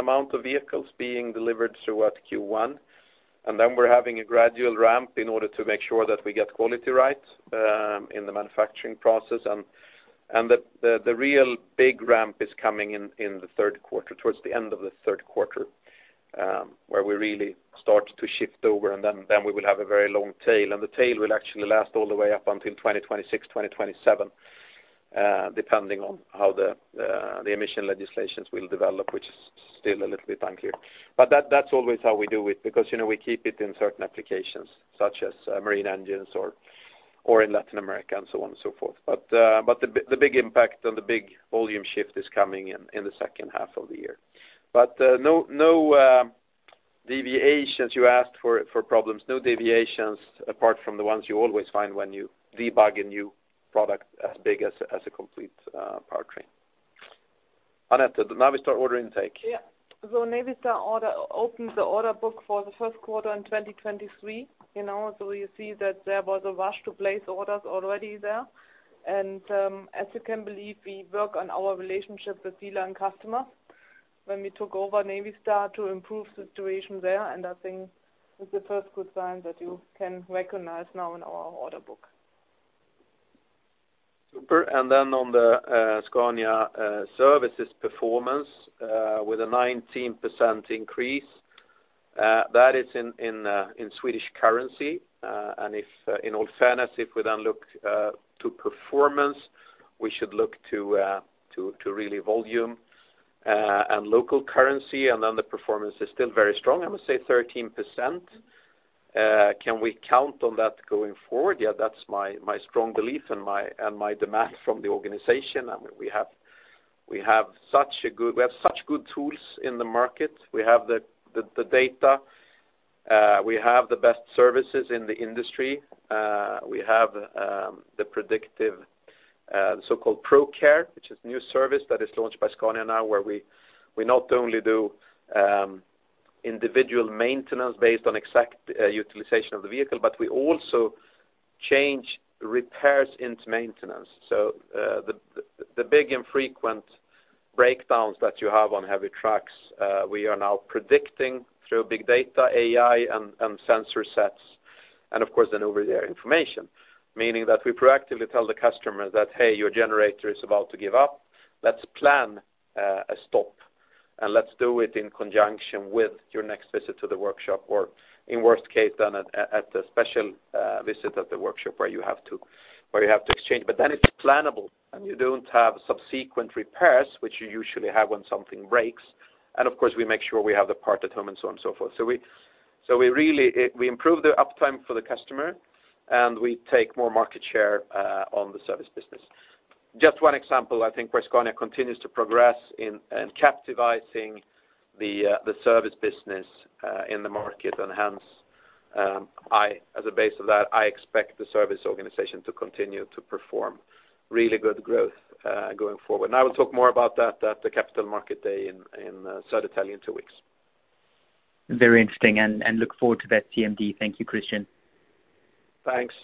amount of vehicles being delivered throughout Q1. We're having a gradual ramp in order to make sure that we get quality right in the manufacturing process. The real big ramp is coming in the third quarter, towards the end of the third quarter, where we really start to shift over, and then we will have a very long tail. The tail will actually last all the way up until 2026-2027, depending on how the emission legislations will develop, which is still a little bit unclear. The big impact and the big volume shift is coming in the second half of the year. No deviations you asked for problems, no deviations apart from the ones you always find when you debug a new product as big as a complete powertrain. Annette, the Navistar order intake. Yeah. Navistar opened the order book for the first quarter in 2023, you know, so you see that there was a rush to place orders already there. As you can believe, we worked on our relationship with dealers and customers when we took over Navistar to improve situation there. I think it's the first good sign that you can recognize now in our order book. Super. On the Scania services performance with a 19% increase, that is in Swedish currency. If in the alternative we look to performance, we should look to real volume and local currency, and the performance is still very strong. I must say 13%. Can we count on that going forward? Yeah, that's my strong belief and my demand from the organization. We have such good tools in the market. We have the data. We have the best services in the industry. We have the predictive so-called ProCare, which is new service that is launched by Scania now, where we not only do individual maintenance based on exact utilization of the vehicle, but we also change repairs into maintenance. The big infrequent breakdowns that you have on heavy trucks, we are now predicting through big data, AI, and sensor sets, and of course, over-the-air information. Meaning that we proactively tell the customer that, "Hey, your generator is about to give up. Let's plan a stop, and let's do it in conjunction with your next visit to the workshop," or in worst case, at a special visit at the workshop where you have to exchange. It's plannable, and you don't have subsequent repairs, which you usually have when something breaks. Of course, we make sure we have the part at home and so on and so forth. We really improve the uptime for the customer, and we take more market share on the service business. Just one example, I think where Scania continues to progress in capturing the service business in the market. Hence, on the basis of that, I expect the service organization to continue to perform really good growth going forward. I will talk more about that at the Capital Markets Day in Södertälje in two weeks. Very interesting and look forward to that CMD. Thank you, Christian. Thanks.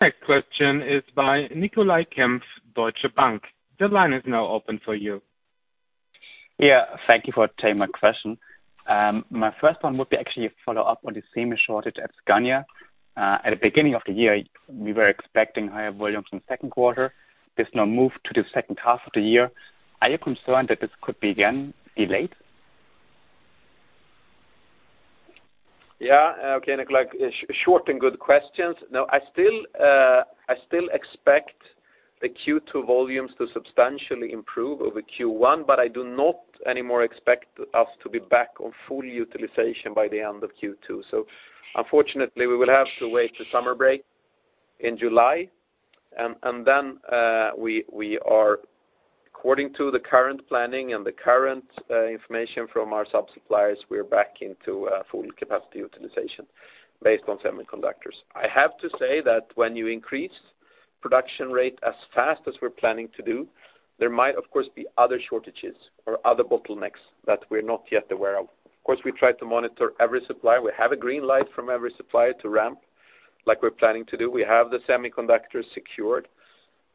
Next question is by Nicolai Kempf, Deutsche Bank. The line is now open for you. Yeah. Thank you for taking my question. My first one would be actually a follow-up on the same shortage at Scania. At the beginning of the year, we were expecting higher volumes in the second quarter. This now moved to the second half of the year. Are you concerned that this could be again delayed? Yeah. Okay, Nicolai. Short and good questions. No, I still expect the Q2 volumes to substantially improve over Q1, but I do not anymore expect us to be back on full utilization by the end of Q2. Unfortunately, we will have to wait the summer break in July. Then we are according to the current planning and the current information from our suppliers. We are back into full capacity utilization based on semiconductors. I have to say that when you increase production rate as fast as we're planning to do, there might of course be other shortages or other bottlenecks that we're not yet aware of. Of course, we try to monitor every supplier. We have a green light from every supplier to ramp like we're planning to do. We have the semiconductors secured.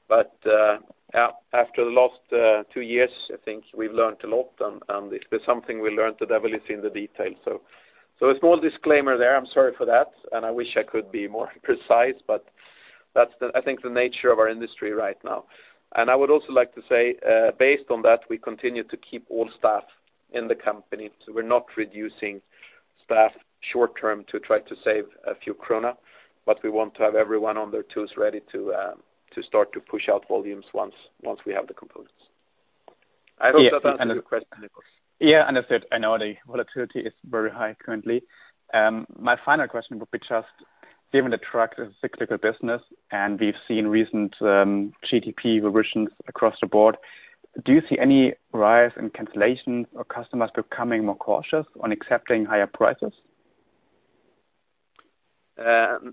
After the last two years, I think we've learned a lot, and if there's something we learned, the devil is in the detail. A small disclaimer there. I'm sorry for that, and I wish I could be more precise, but that's, I think, the nature of our industry right now. I would also like to say, based on that, we continue to keep all staff in the company. We're not reducing staff short-term to try to save a few krona, but we want to have everyone on their tools ready to start to push out volumes once we have the components. I hope that answers your question, Nicolai. Yeah, understood. I know the volatility is very high currently. My final question would be just given the truck is a cyclical business, and we've seen recent GDP revisions across the board, do you see any rise in cancellations or customers becoming more cautious on accepting higher prices?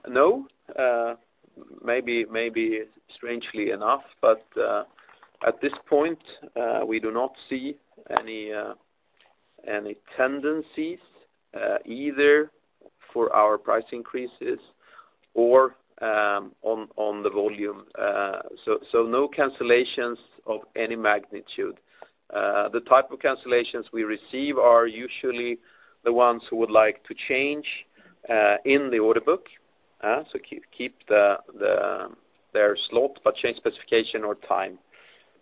No. Maybe strangely enough, but at this point we do not see any tendencies either for our price increases or on the volume. No cancellations of any magnitude. The type of cancellations we receive are usually the ones who would like to change in the order book. Keep their slot, but change specification or time.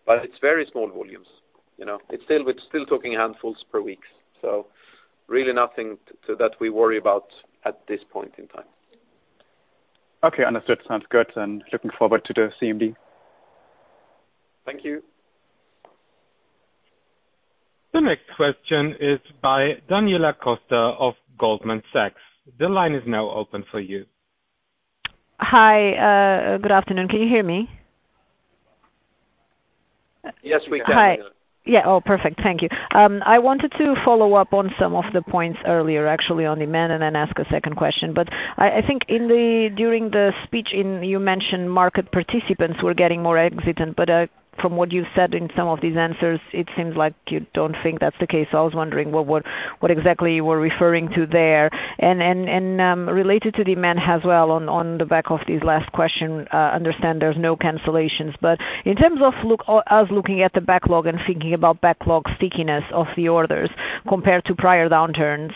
It's very small volumes, you know. It's still. We're still talking handfuls per week, so really nothing that we worry about at this point in time. Okay, understood. Sounds good, and looking forward to the CMD. Thank you. The next question is by Daniela Costa of Goldman Sachs. The line is now open for you. Hi, good afternoon. Can you hear me? Yes, we can hear. Hi. Yeah. Oh, perfect. Thank you. I wanted to follow up on some of the points earlier, actually on demand, and then ask a second question. I think during the speech you mentioned market participants were getting more hesitant. From what you've said in some of these answers, it seems like you don't think that's the case. I was wondering what exactly you were referring to there. Related to demand as well on the back of this last question, understand there's no cancellations. In terms of us looking at the backlog and thinking about backlog stickiness of the orders compared to prior downturns,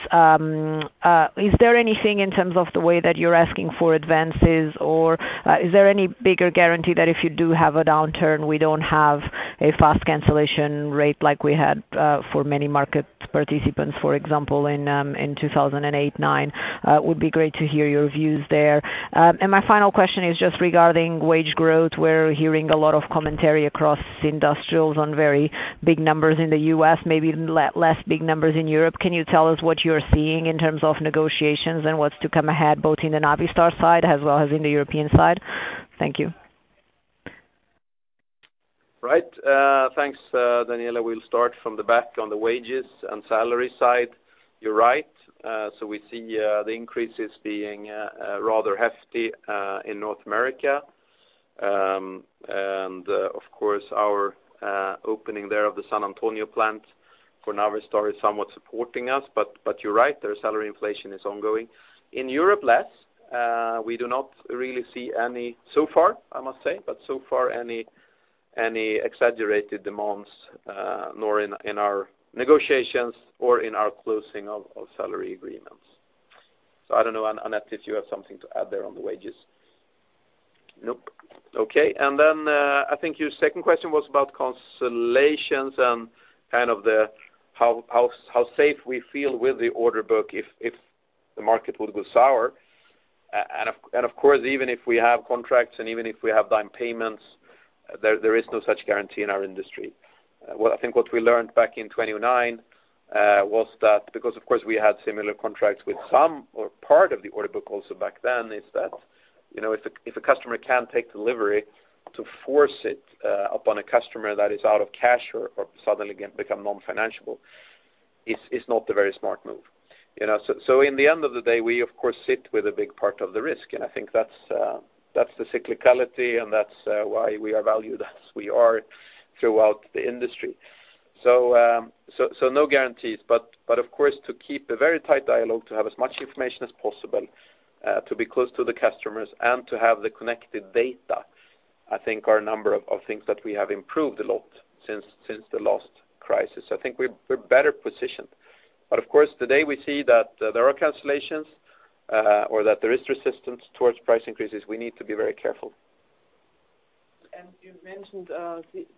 is there anything in terms of the way that you're asking for advances or, is there any bigger guarantee that if you do have a downturn, we don't have a fast cancellation rate like we had, for many market participants, for example, in 2008-2009? Would be great to hear your views there. And my final question is just regarding wage growth. We're hearing a lot of commentary across industrials on very big numbers in the US, maybe less big numbers in Europe. Can you tell us what you're seeing in terms of negotiations and what's to come ahead, both in the Navistar side as well as in the European side? Thank you. Right. Thanks, Daniela. We'll start from the back on the wages and salary side. You're right. So we see the increases being rather hefty in North America. Of course, our opening there of the San Antonio plant for Navistar is somewhat supporting us, but you're right, their salary inflation is ongoing. In Europe, less. We do not really see any, so far, I must say, but so far any exaggerated demands, nor in our negotiations or in our closing of salary agreements. I don't know, Annette, if you have something to add there on the wages. Nope. Okay. I think your second question was about cancellations and kind of how safe we feel with the order book if the market would go sour. Of course, even if we have contracts and even if we have down payments, there is no such guarantee in our industry. What I think we learned back in 2009 was that, because of course we had similar contracts with some or part of the order book also back then, you know, if a customer can't take delivery, to force it upon a customer that is out of cash or suddenly can become non-financial is not a very smart move. You know, at the end of the day, we of course sit with a big part of the risk, and I think that's the cyclicality, and that's why we are valued as we are throughout the industry. No guarantees, but of course, to keep a very tight dialogue, to have as much information as possible, to be close to the customers and to have the connected data, I think are a number of things that we have improved a lot since the last crisis. I think we're better positioned. Of course, today we see that there are cancellations, or that there is resistance toward price increases. We need to be very careful. You mentioned,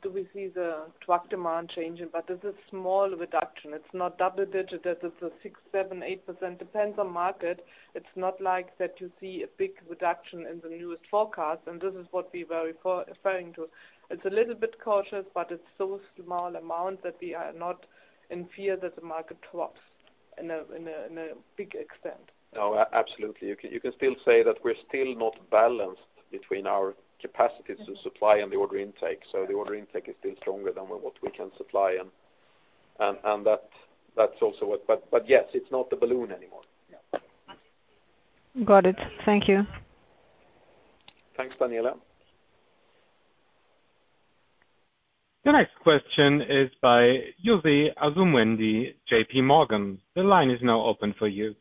do we see the truck demand changing? It's a small reduction. It's not double digit. It's a 6%, 7%, 8%, depends on market. It's not like that you see a big reduction in the newest forecast, and this is what we were referring to. It's a little bit cautious, but it's so small amount that we are not in fear that the market drops in a big extent. No, absolutely. You can still say that we're still not balanced between our capacities to supply and the order intake. The order intake is still stronger than what we can supply and that's also what. Yes, it's not the balloon anymore. Yeah. Got it. Thank you. Thanks, Daniela. The next question is by Jose Asumendi, JPMorgan. The line is now open for you.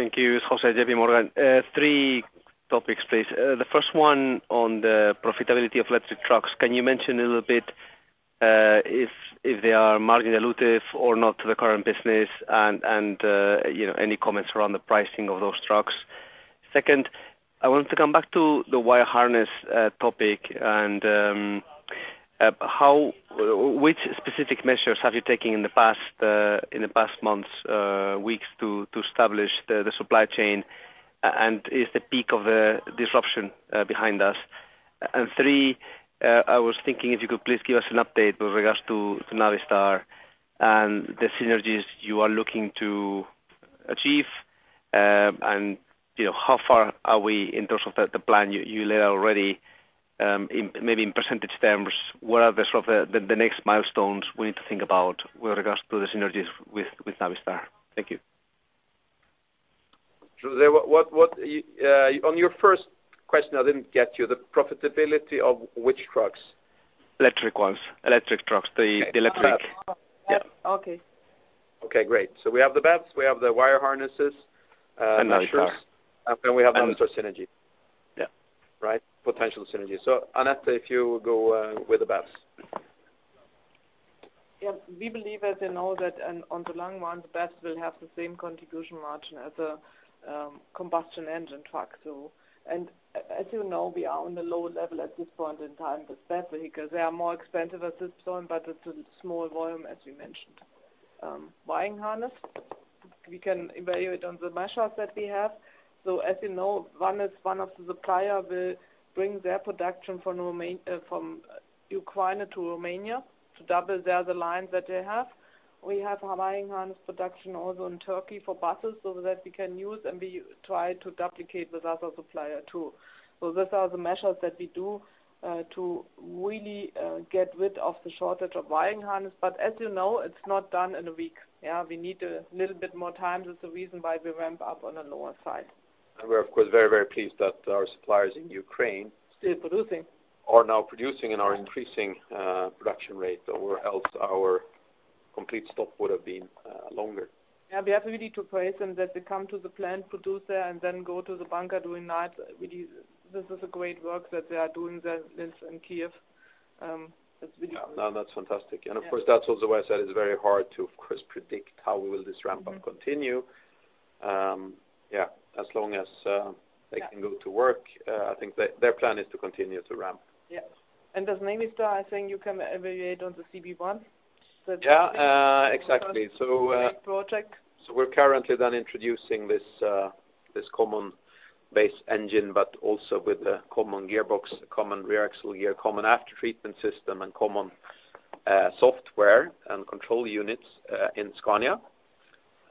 Thank you. It's José Asumendi, JPMorgan. Three topics, please. The first one on the profitability of electric trucks. Can you mention a little bit if they are margin dilutive or not to the current business and, you know, any comments around the pricing of those trucks. Second, I want to come back to the wire harness topic and which specific measures have you taken in the past months, weeks to establish the supply chain? Is the peak of disruption behind us? Three, I was thinking if you could please give us an update with regards to Navistar and the synergies you are looking to achieve. You know, how far are we in terms of the plan you laid already, in maybe percentage terms, what are the sort of, the next milestones we need to think about with regards to the synergies with Navistar? Thank you. José, what? On your first question, I didn't get you. The profitability of which trucks? Electric ones. Electric trucks. Okay. The electric. Oh. Yeah. Okay. Okay, great. We have the BEVs, we have the wire harnesses, measures. Navistar. We have Navistar synergy. Yeah. Right? Potential synergies. Annette, if you go with the BEVs. We believe, as you know, that on the long run, the BEVs will have the same contribution margin as a combustion engine truck. As you know, we are on the lower level at this point in time with BEV vehicles. They are more expensive at this point, but it's a small volume, as we mentioned. Wiring harness, we can evaluate on the measures that we have. As you know, one is, one of the supplier will bring their production from Ukraine to Romania to double the other lines that they have. We have a wiring harness production also in Turkey for buses, so that we can use, and we try to duplicate with other supplier too. Those are the measures that we do to really get rid of the shortage of wiring harness. As you know, it's not done in a week. Yeah, we need a little bit more time. That's the reason why we ramp up on the lower side. We're, of course, very, very pleased that our suppliers in Ukraine. Still producing. are now producing and are increasing production rates or else our complete stop would have been longer. Yeah, we have really to praise them that they come to the plant, produce there, and then go to the bunker during night. Really this is a great work that they are doing there, this in Kyiv. That's really. No, that's fantastic. Yeah. Of course, that's also why I said it's very hard to, of course, predict how will this ramp up continue. As long as they can go to work, I think their plan is to continue to ramp. Yes. As Navistar, I think you can evaluate on the CB one. Yeah. Exactly. Project We're currently then introducing this Common Base Engine, but also with a common gearbox, common rear axle gear, common aftertreatment system, and common software and control units in Scania.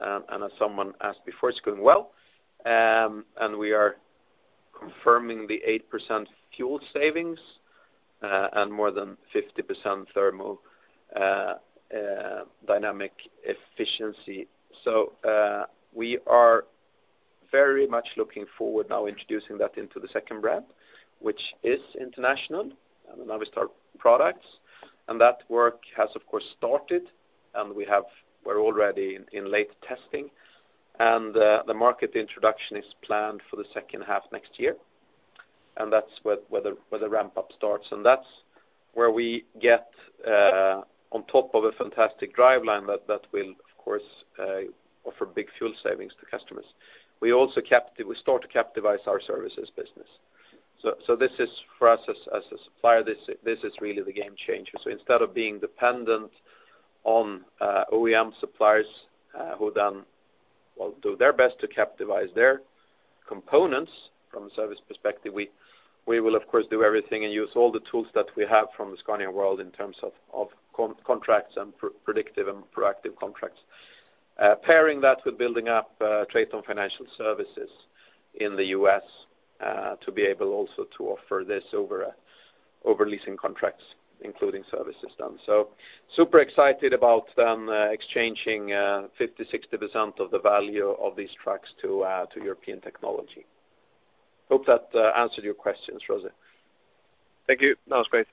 As someone asked before, it's going well. We are confirming the 8% fuel savings and more than 50% thermodynamic efficiency. We're very much looking forward now introducing that into the second brand, which is International Navistar products. That work has, of course, started. We're already in late testing. The market introduction is planned for the second half next year. That's where the ramp-up starts. That's where we get on top of a fantastic driveline that will of course offer big fuel savings to customers. We start to capitalize our services business. This is for us as a supplier. This is really the game changer. Instead of being dependent on OEM suppliers, who then will do their best to capitalize their components from a service perspective, we will of course do everything and use all the tools that we have from the Scania world in terms of contracts and predictive and proactive contracts. Pairing that with building up TRATON Financial Services in the U.S., to be able also to offer this over leasing contracts, including service system. Super excited about then exchanging 50%-60% of the value of these trucks to European technology. Hope that answered your questions, Jose. Thank you. That was great.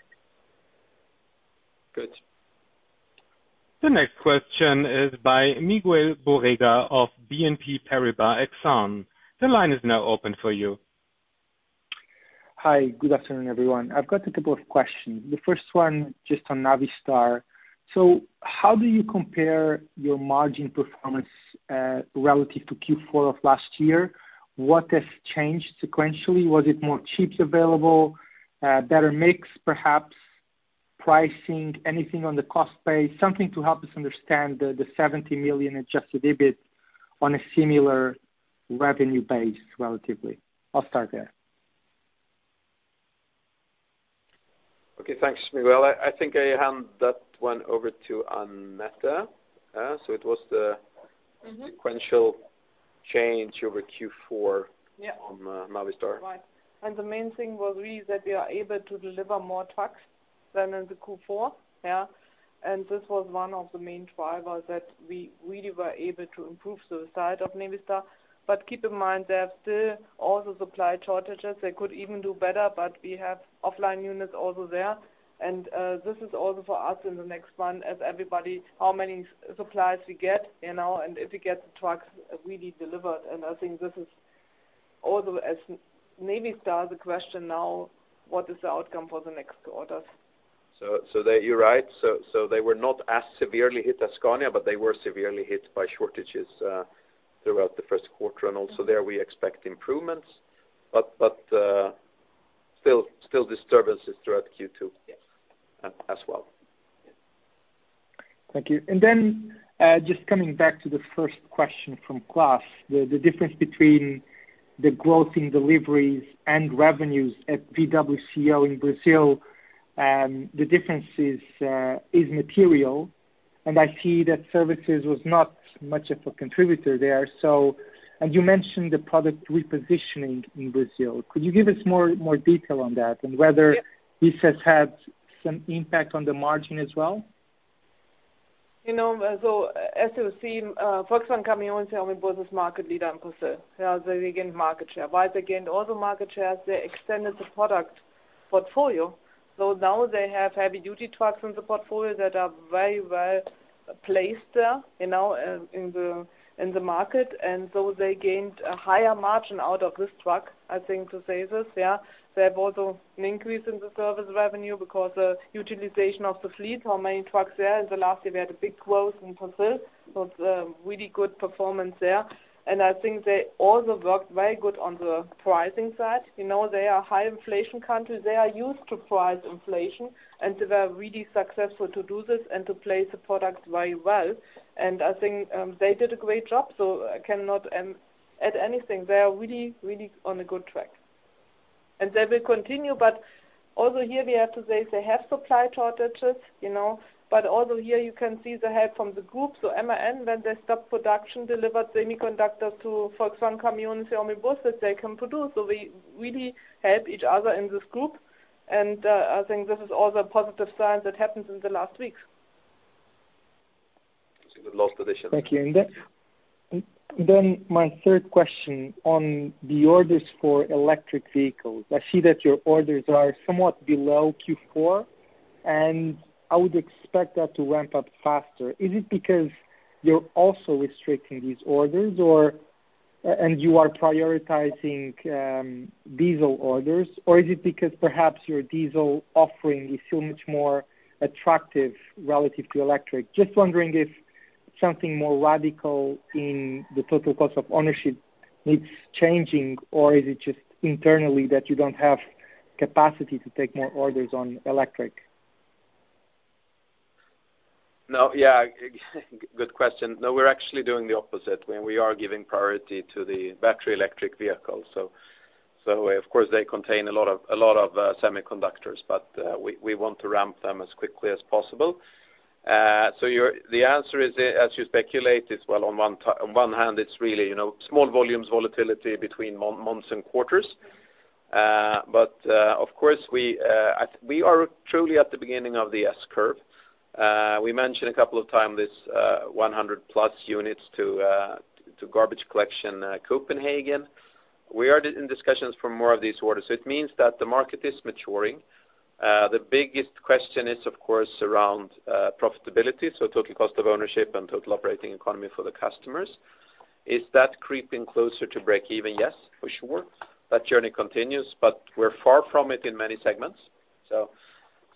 Good. The next question is by Miguel Borrega of BNP Paribas Exane. The line is now open for you. Hi. Good afternoon, everyone. I've got a couple of questions. The first one just on Navistar. How do you compare your margin performance relative to Q4 of last year? What has changed sequentially? Was it more chips available, better mix, perhaps pricing, anything on the cost base? Something to help us understand the 70 million adjusted EBIT on a similar revenue base relatively. I'll start there. Okay, thanks, Miguel. I think I hand that one over to Annette. Mm-hmm sequential change over Q4. Yeah... on, Navistar. Right. The main thing was really that we are able to deliver more trucks than in the Q4, yeah. This was one of the main drivers that we really were able to improve the side of Navistar. Keep in mind, they have still also supply shortages. They could even do better, but we have offline units also there. This is also for us in the next one, as everybody, how many supplies we get, you know, and if we get the trucks really delivered. I think this is also as Navistar, the question now, what is the outcome for the next orders? You're right. They were not as severely hit as Scania, but they were severely hit by shortages throughout the first quarter. Also there, we expect improvements. Still disturbances throughout Q2. Yes as well. Yes. Thank you. Then, just coming back to the first question from Klas, the difference between the growth in deliveries and revenues at VWCO in Brazil is material, and I see that services was not much of a contributor there. You mentioned the product repositioning in Brazil. Could you give us more detail on that, and whether- Yeah This has had some impact on the margin as well? You know, as you see, Volkswagen Caminhões e Ônibus as market leader in Brazil, yeah, they gained market share. While they gained also market shares, they extended the product portfolio. Now they have heavy duty trucks in the portfolio that are very well placed there, you know, in the market. They gained a higher margin out of this truck, I think to say this, yeah. They have also an increase in the service revenue because the utilization of the fleet, how many trucks there. In the last year, we had a big growth in Brazil, so it's a really good performance there. I think they also worked very good on the pricing side. You know, they are high inflation country. They are used to price inflation, and they were really successful to do this and to place the product very well. I think they did a great job, so I cannot add anything. They are really on a good track. They will continue, but also here we have to say they have supply shortages, you know. Also here you can see the help from the group. MAN, when they stop production, delivered semiconductors to Volkswagen Caminhões so that they can produce. We really help each other in this group. I think this is also a positive sign that happened in the last weeks. It's a good cost addition. Thank you. My third question on the orders for electric vehicles. I see that your orders are somewhat below Q4, and I would expect that to ramp up faster. Is it because you're also restricting these orders, or and you are prioritizing diesel orders? Is it because perhaps your diesel offering is so much more attractive relative to electric? Just wondering if something more radical in the total cost of ownership needs changing, or is it just internally that you don't have capacity to take more orders on electric? No, yeah. Good question. No, we're actually doing the opposite. I mean, we are giving priority to the battery electric vehicles. So of course, they contain a lot of semiconductors, but we want to ramp them as quickly as possible. The answer is, as you speculate, well, on one hand, it's really, you know, small volumes volatility between months and quarters. But of course, we are truly at the beginning of the S-curve. We mentioned a couple of times this 100+ units to garbage collection, Copenhagen. We are in discussions for more of these orders. So it means that the market is maturing. The biggest question is, of course, around profitability, so total cost of ownership and total operating economy for the customers. Is that creeping closer to break even? Yes, for sure. That journey continues, but we're far from it in many segments.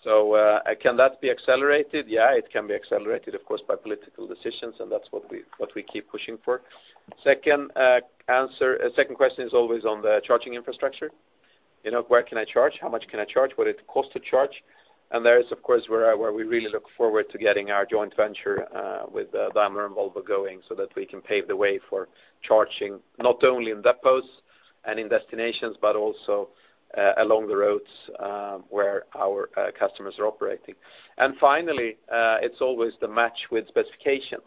Can that be accelerated? Yeah, it can be accelerated, of course, by political decisions, and that's what we keep pushing for. Second answer, second question is always on the charging infrastructure. You know, where can I charge? How much can I charge? What it cost to charge? There is, of course, where we really look forward to getting our joint venture with Daimler and Volvo going so that we can pave the way for charging not only in depots and in destinations, but also along the roads where our customers are operating. Finally, it's always the match with specification.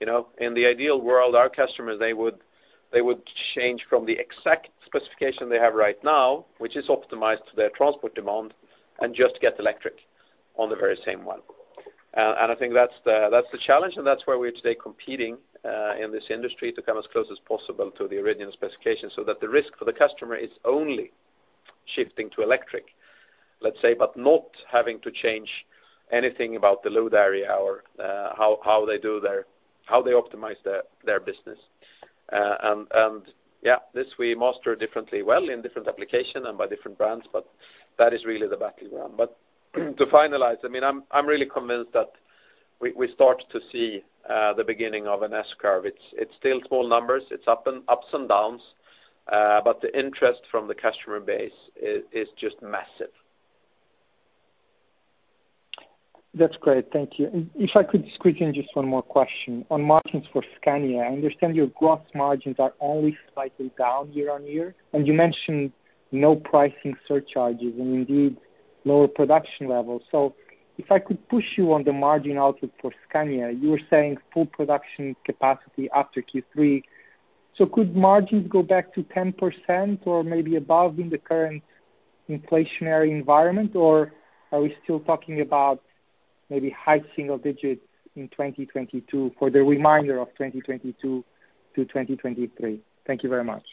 You know, in the ideal world, our customers they would change from the exact specification they have right now, which is optimized to their transport demand, and just get electric on the very same one. I think that's the challenge, and that's where we're today competing in this industry to come as close as possible to the original specification, so that the risk for the customer is only shifting to electric, let's say, but not having to change anything about the load area or how they do their, how they optimize their business. Yeah, this we master differently well in different application and by different brands, but that is really the battleground. To finalize, I mean, I'm really convinced that we start to see the beginning of an S-curve. It's still small numbers. It's ups and downs, but the interest from the customer base is just massive. That's great. Thank you. If I could squeeze in just one more question. On margins for Scania, I understand your gross margins are only slightly down year-on-year, and you mentioned no pricing surcharges and indeed lower production levels. If I could push you on the margin outlook for Scania, you were saying full production capacity after Q3. Could margins go back to 10% or maybe above in the current inflationary environment, or are we still talking about maybe high single digits in 2022 for the remainder of 2022-2023? Thank you very much.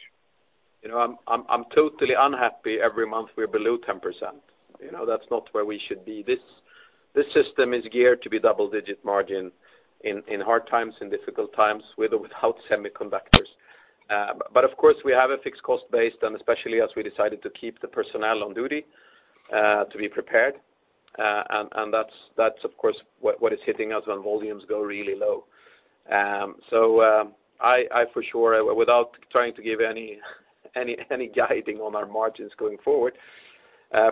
You know, I'm totally unhappy every month we're below 10%. You know, that's not where we should be. This system is geared to be double-digit margin in hard times and difficult times, with or without semiconductors. Of course, we have a fixed cost base, and especially as we decided to keep the personnel on duty to be prepared, and that's of course what is hitting us when volumes go really low. I for sure, without trying to give any guidance on our margins going forward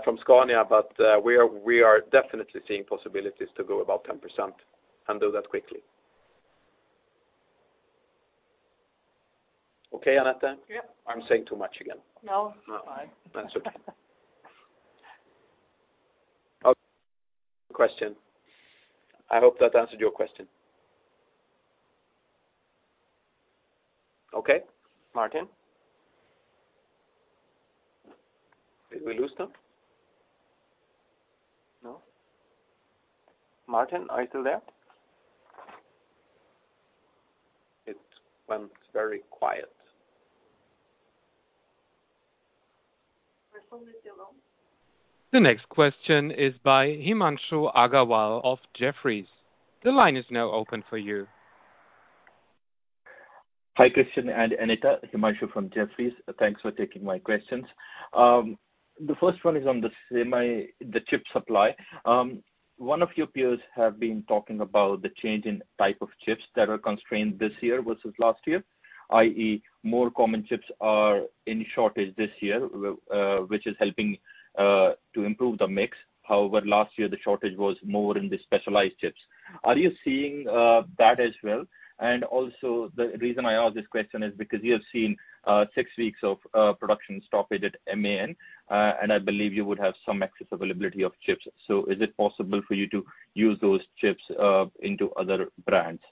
from Scania, but we are definitely seeing possibilities to go above 10% and do that quickly. Okay, Annette? Yeah. I'm saying too much again. No. No. It's fine. That's okay. Okay. Question. I hope that answered your question. Okay. Lars Martin? Did we lose them? No. Lars Martin, are you still there? It went very quiet. Your phone is still on. The next question is by Himanshu Agarwal of Jefferies. The line is now open for you. Hi, Christian and Annette. Himanshu from Jefferies. Thanks for taking my questions. The first one is on the semi, the chip supply. One of your peers have been talking about the change in type of chips that are constrained this year versus last year, i.e., more common chips are in shortage this year, which is helping to improve the mix. However, last year, the shortage was more in the specialized chips. Are you seeing that as well? The reason I ask this question is because you have seen six weeks of production stoppage at MAN, and I believe you would have some excess availability of chips. Is it possible for you to use those chips into other brands?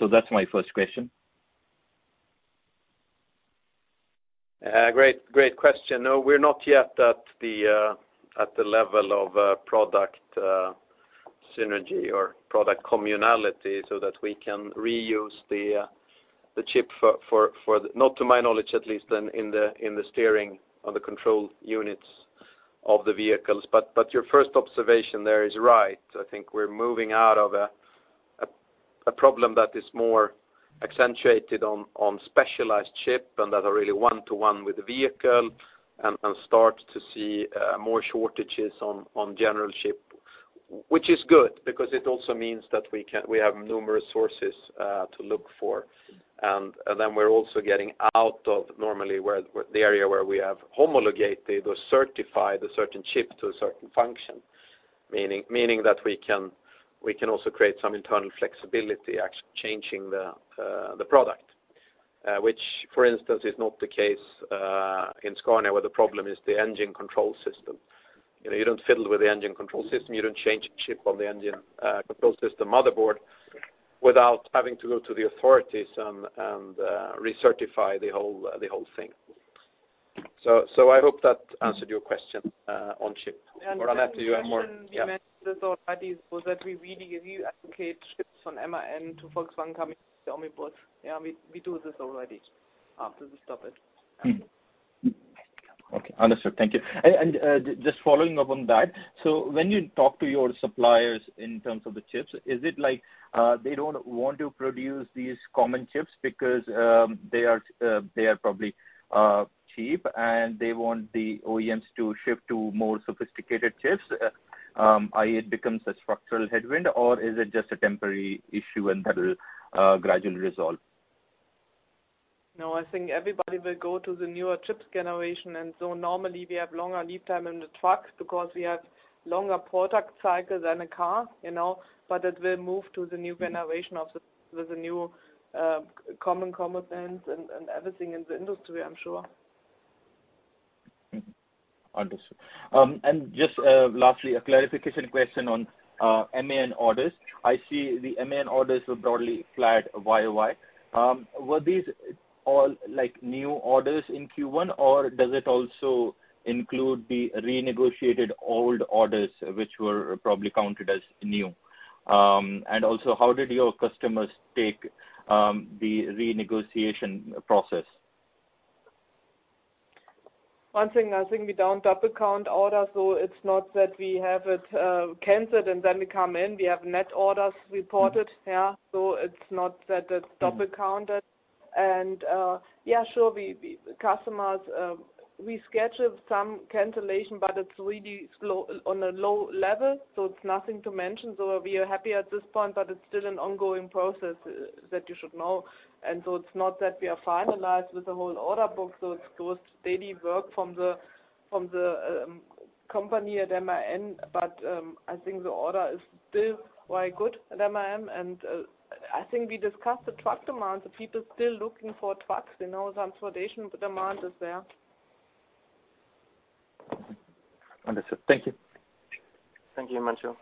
That's my first question. Great question. No, we're not yet at the level of product synergy or product communality, so that we can reuse the chip. Not to my knowledge, at least, in the steering or the control units of the vehicles. Your first observation there is right. I think we're moving out of a problem that is more accentuated on specialized chip and that are really one-to-one with the vehicle and start to see more shortages on general chip, which is good because it also means that we can. We have numerous sources to look for. We're also getting out of, normally, the area where we have homologated or certified a certain chip to a certain function, meaning that we can also create some internal flexibility, changing the product, which for instance is not the case in Scania, where the problem is the engine control system. You know, you don't fiddle with the engine control system. You don't change a chip on the engine control system motherboard without having to go to the authorities and recertify the whole thing. I hope that answered your question on chip. Annette, you have more- The question you mentioned this already is, was that we really reallocate chips from MAN to Volkswagen Caminhões e Ônibus. Yeah, we do this already after the stoppage. Okay. Understood. Thank you. Just following up on that, when you talk to your suppliers in terms of the chips, is it like they don't want to produce these common chips because they are probably cheap, and they want the OEMs to shift to more sophisticated chips? I.e., it becomes a structural headwind, or is it just a temporary issue and that'll gradually resolve? No, I think everybody will go to the newer chips generation. Normally we have longer lead time in the truck because we have longer product cycle than a car, you know, but it will move to the new generation with the new common components and everything in the industry, I'm sure. Understood. Just lastly, a clarification question on MAN orders. I see the MAN orders were broadly flat Y-o-Y. Were these all, like, new orders in Q1, or does it also include the renegotiated old orders, which were probably counted as new? Also, how did your customers take the renegotiation process? One thing, I think we don't double count orders, so it's not that we have it, canceled and then we come in. We have net orders reported. Yeah. It's not that it's double counted. Yeah, sure. We, the customers, we scheduled some cancellation, but it's really slow, on a low level, so it's nothing to mention. We are happy at this point, but it's still an ongoing process, that you should know. It's not that we are finalized with the whole order book, so it's close daily work from the company at MAN. I think the order is still quite good at MAN, and I think we discussed the truck demand. The people still looking for trucks. You know, transportation demand is there. Understood. Thank you. Thank you, Himanshu.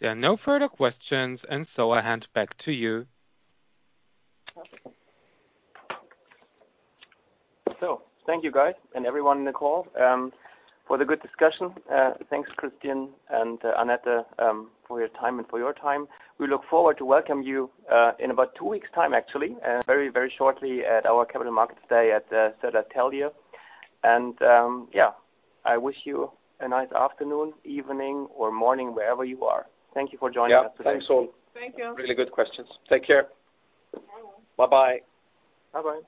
There are no further questions, and so I hand back to you. Thank you guys and everyone on the call for the good discussion. Thanks, Christian and Annette, for your time. We look forward to welcome you in about two weeks time, actually, very, very shortly at our Capital Markets Day at Södertälje. I wish you a nice afternoon, evening, or morning, wherever you are. Thank you for joining us today. Yeah. Thanks all. Thank you. Really good questions. Take care. Bye. Bye-bye. Bye-bye.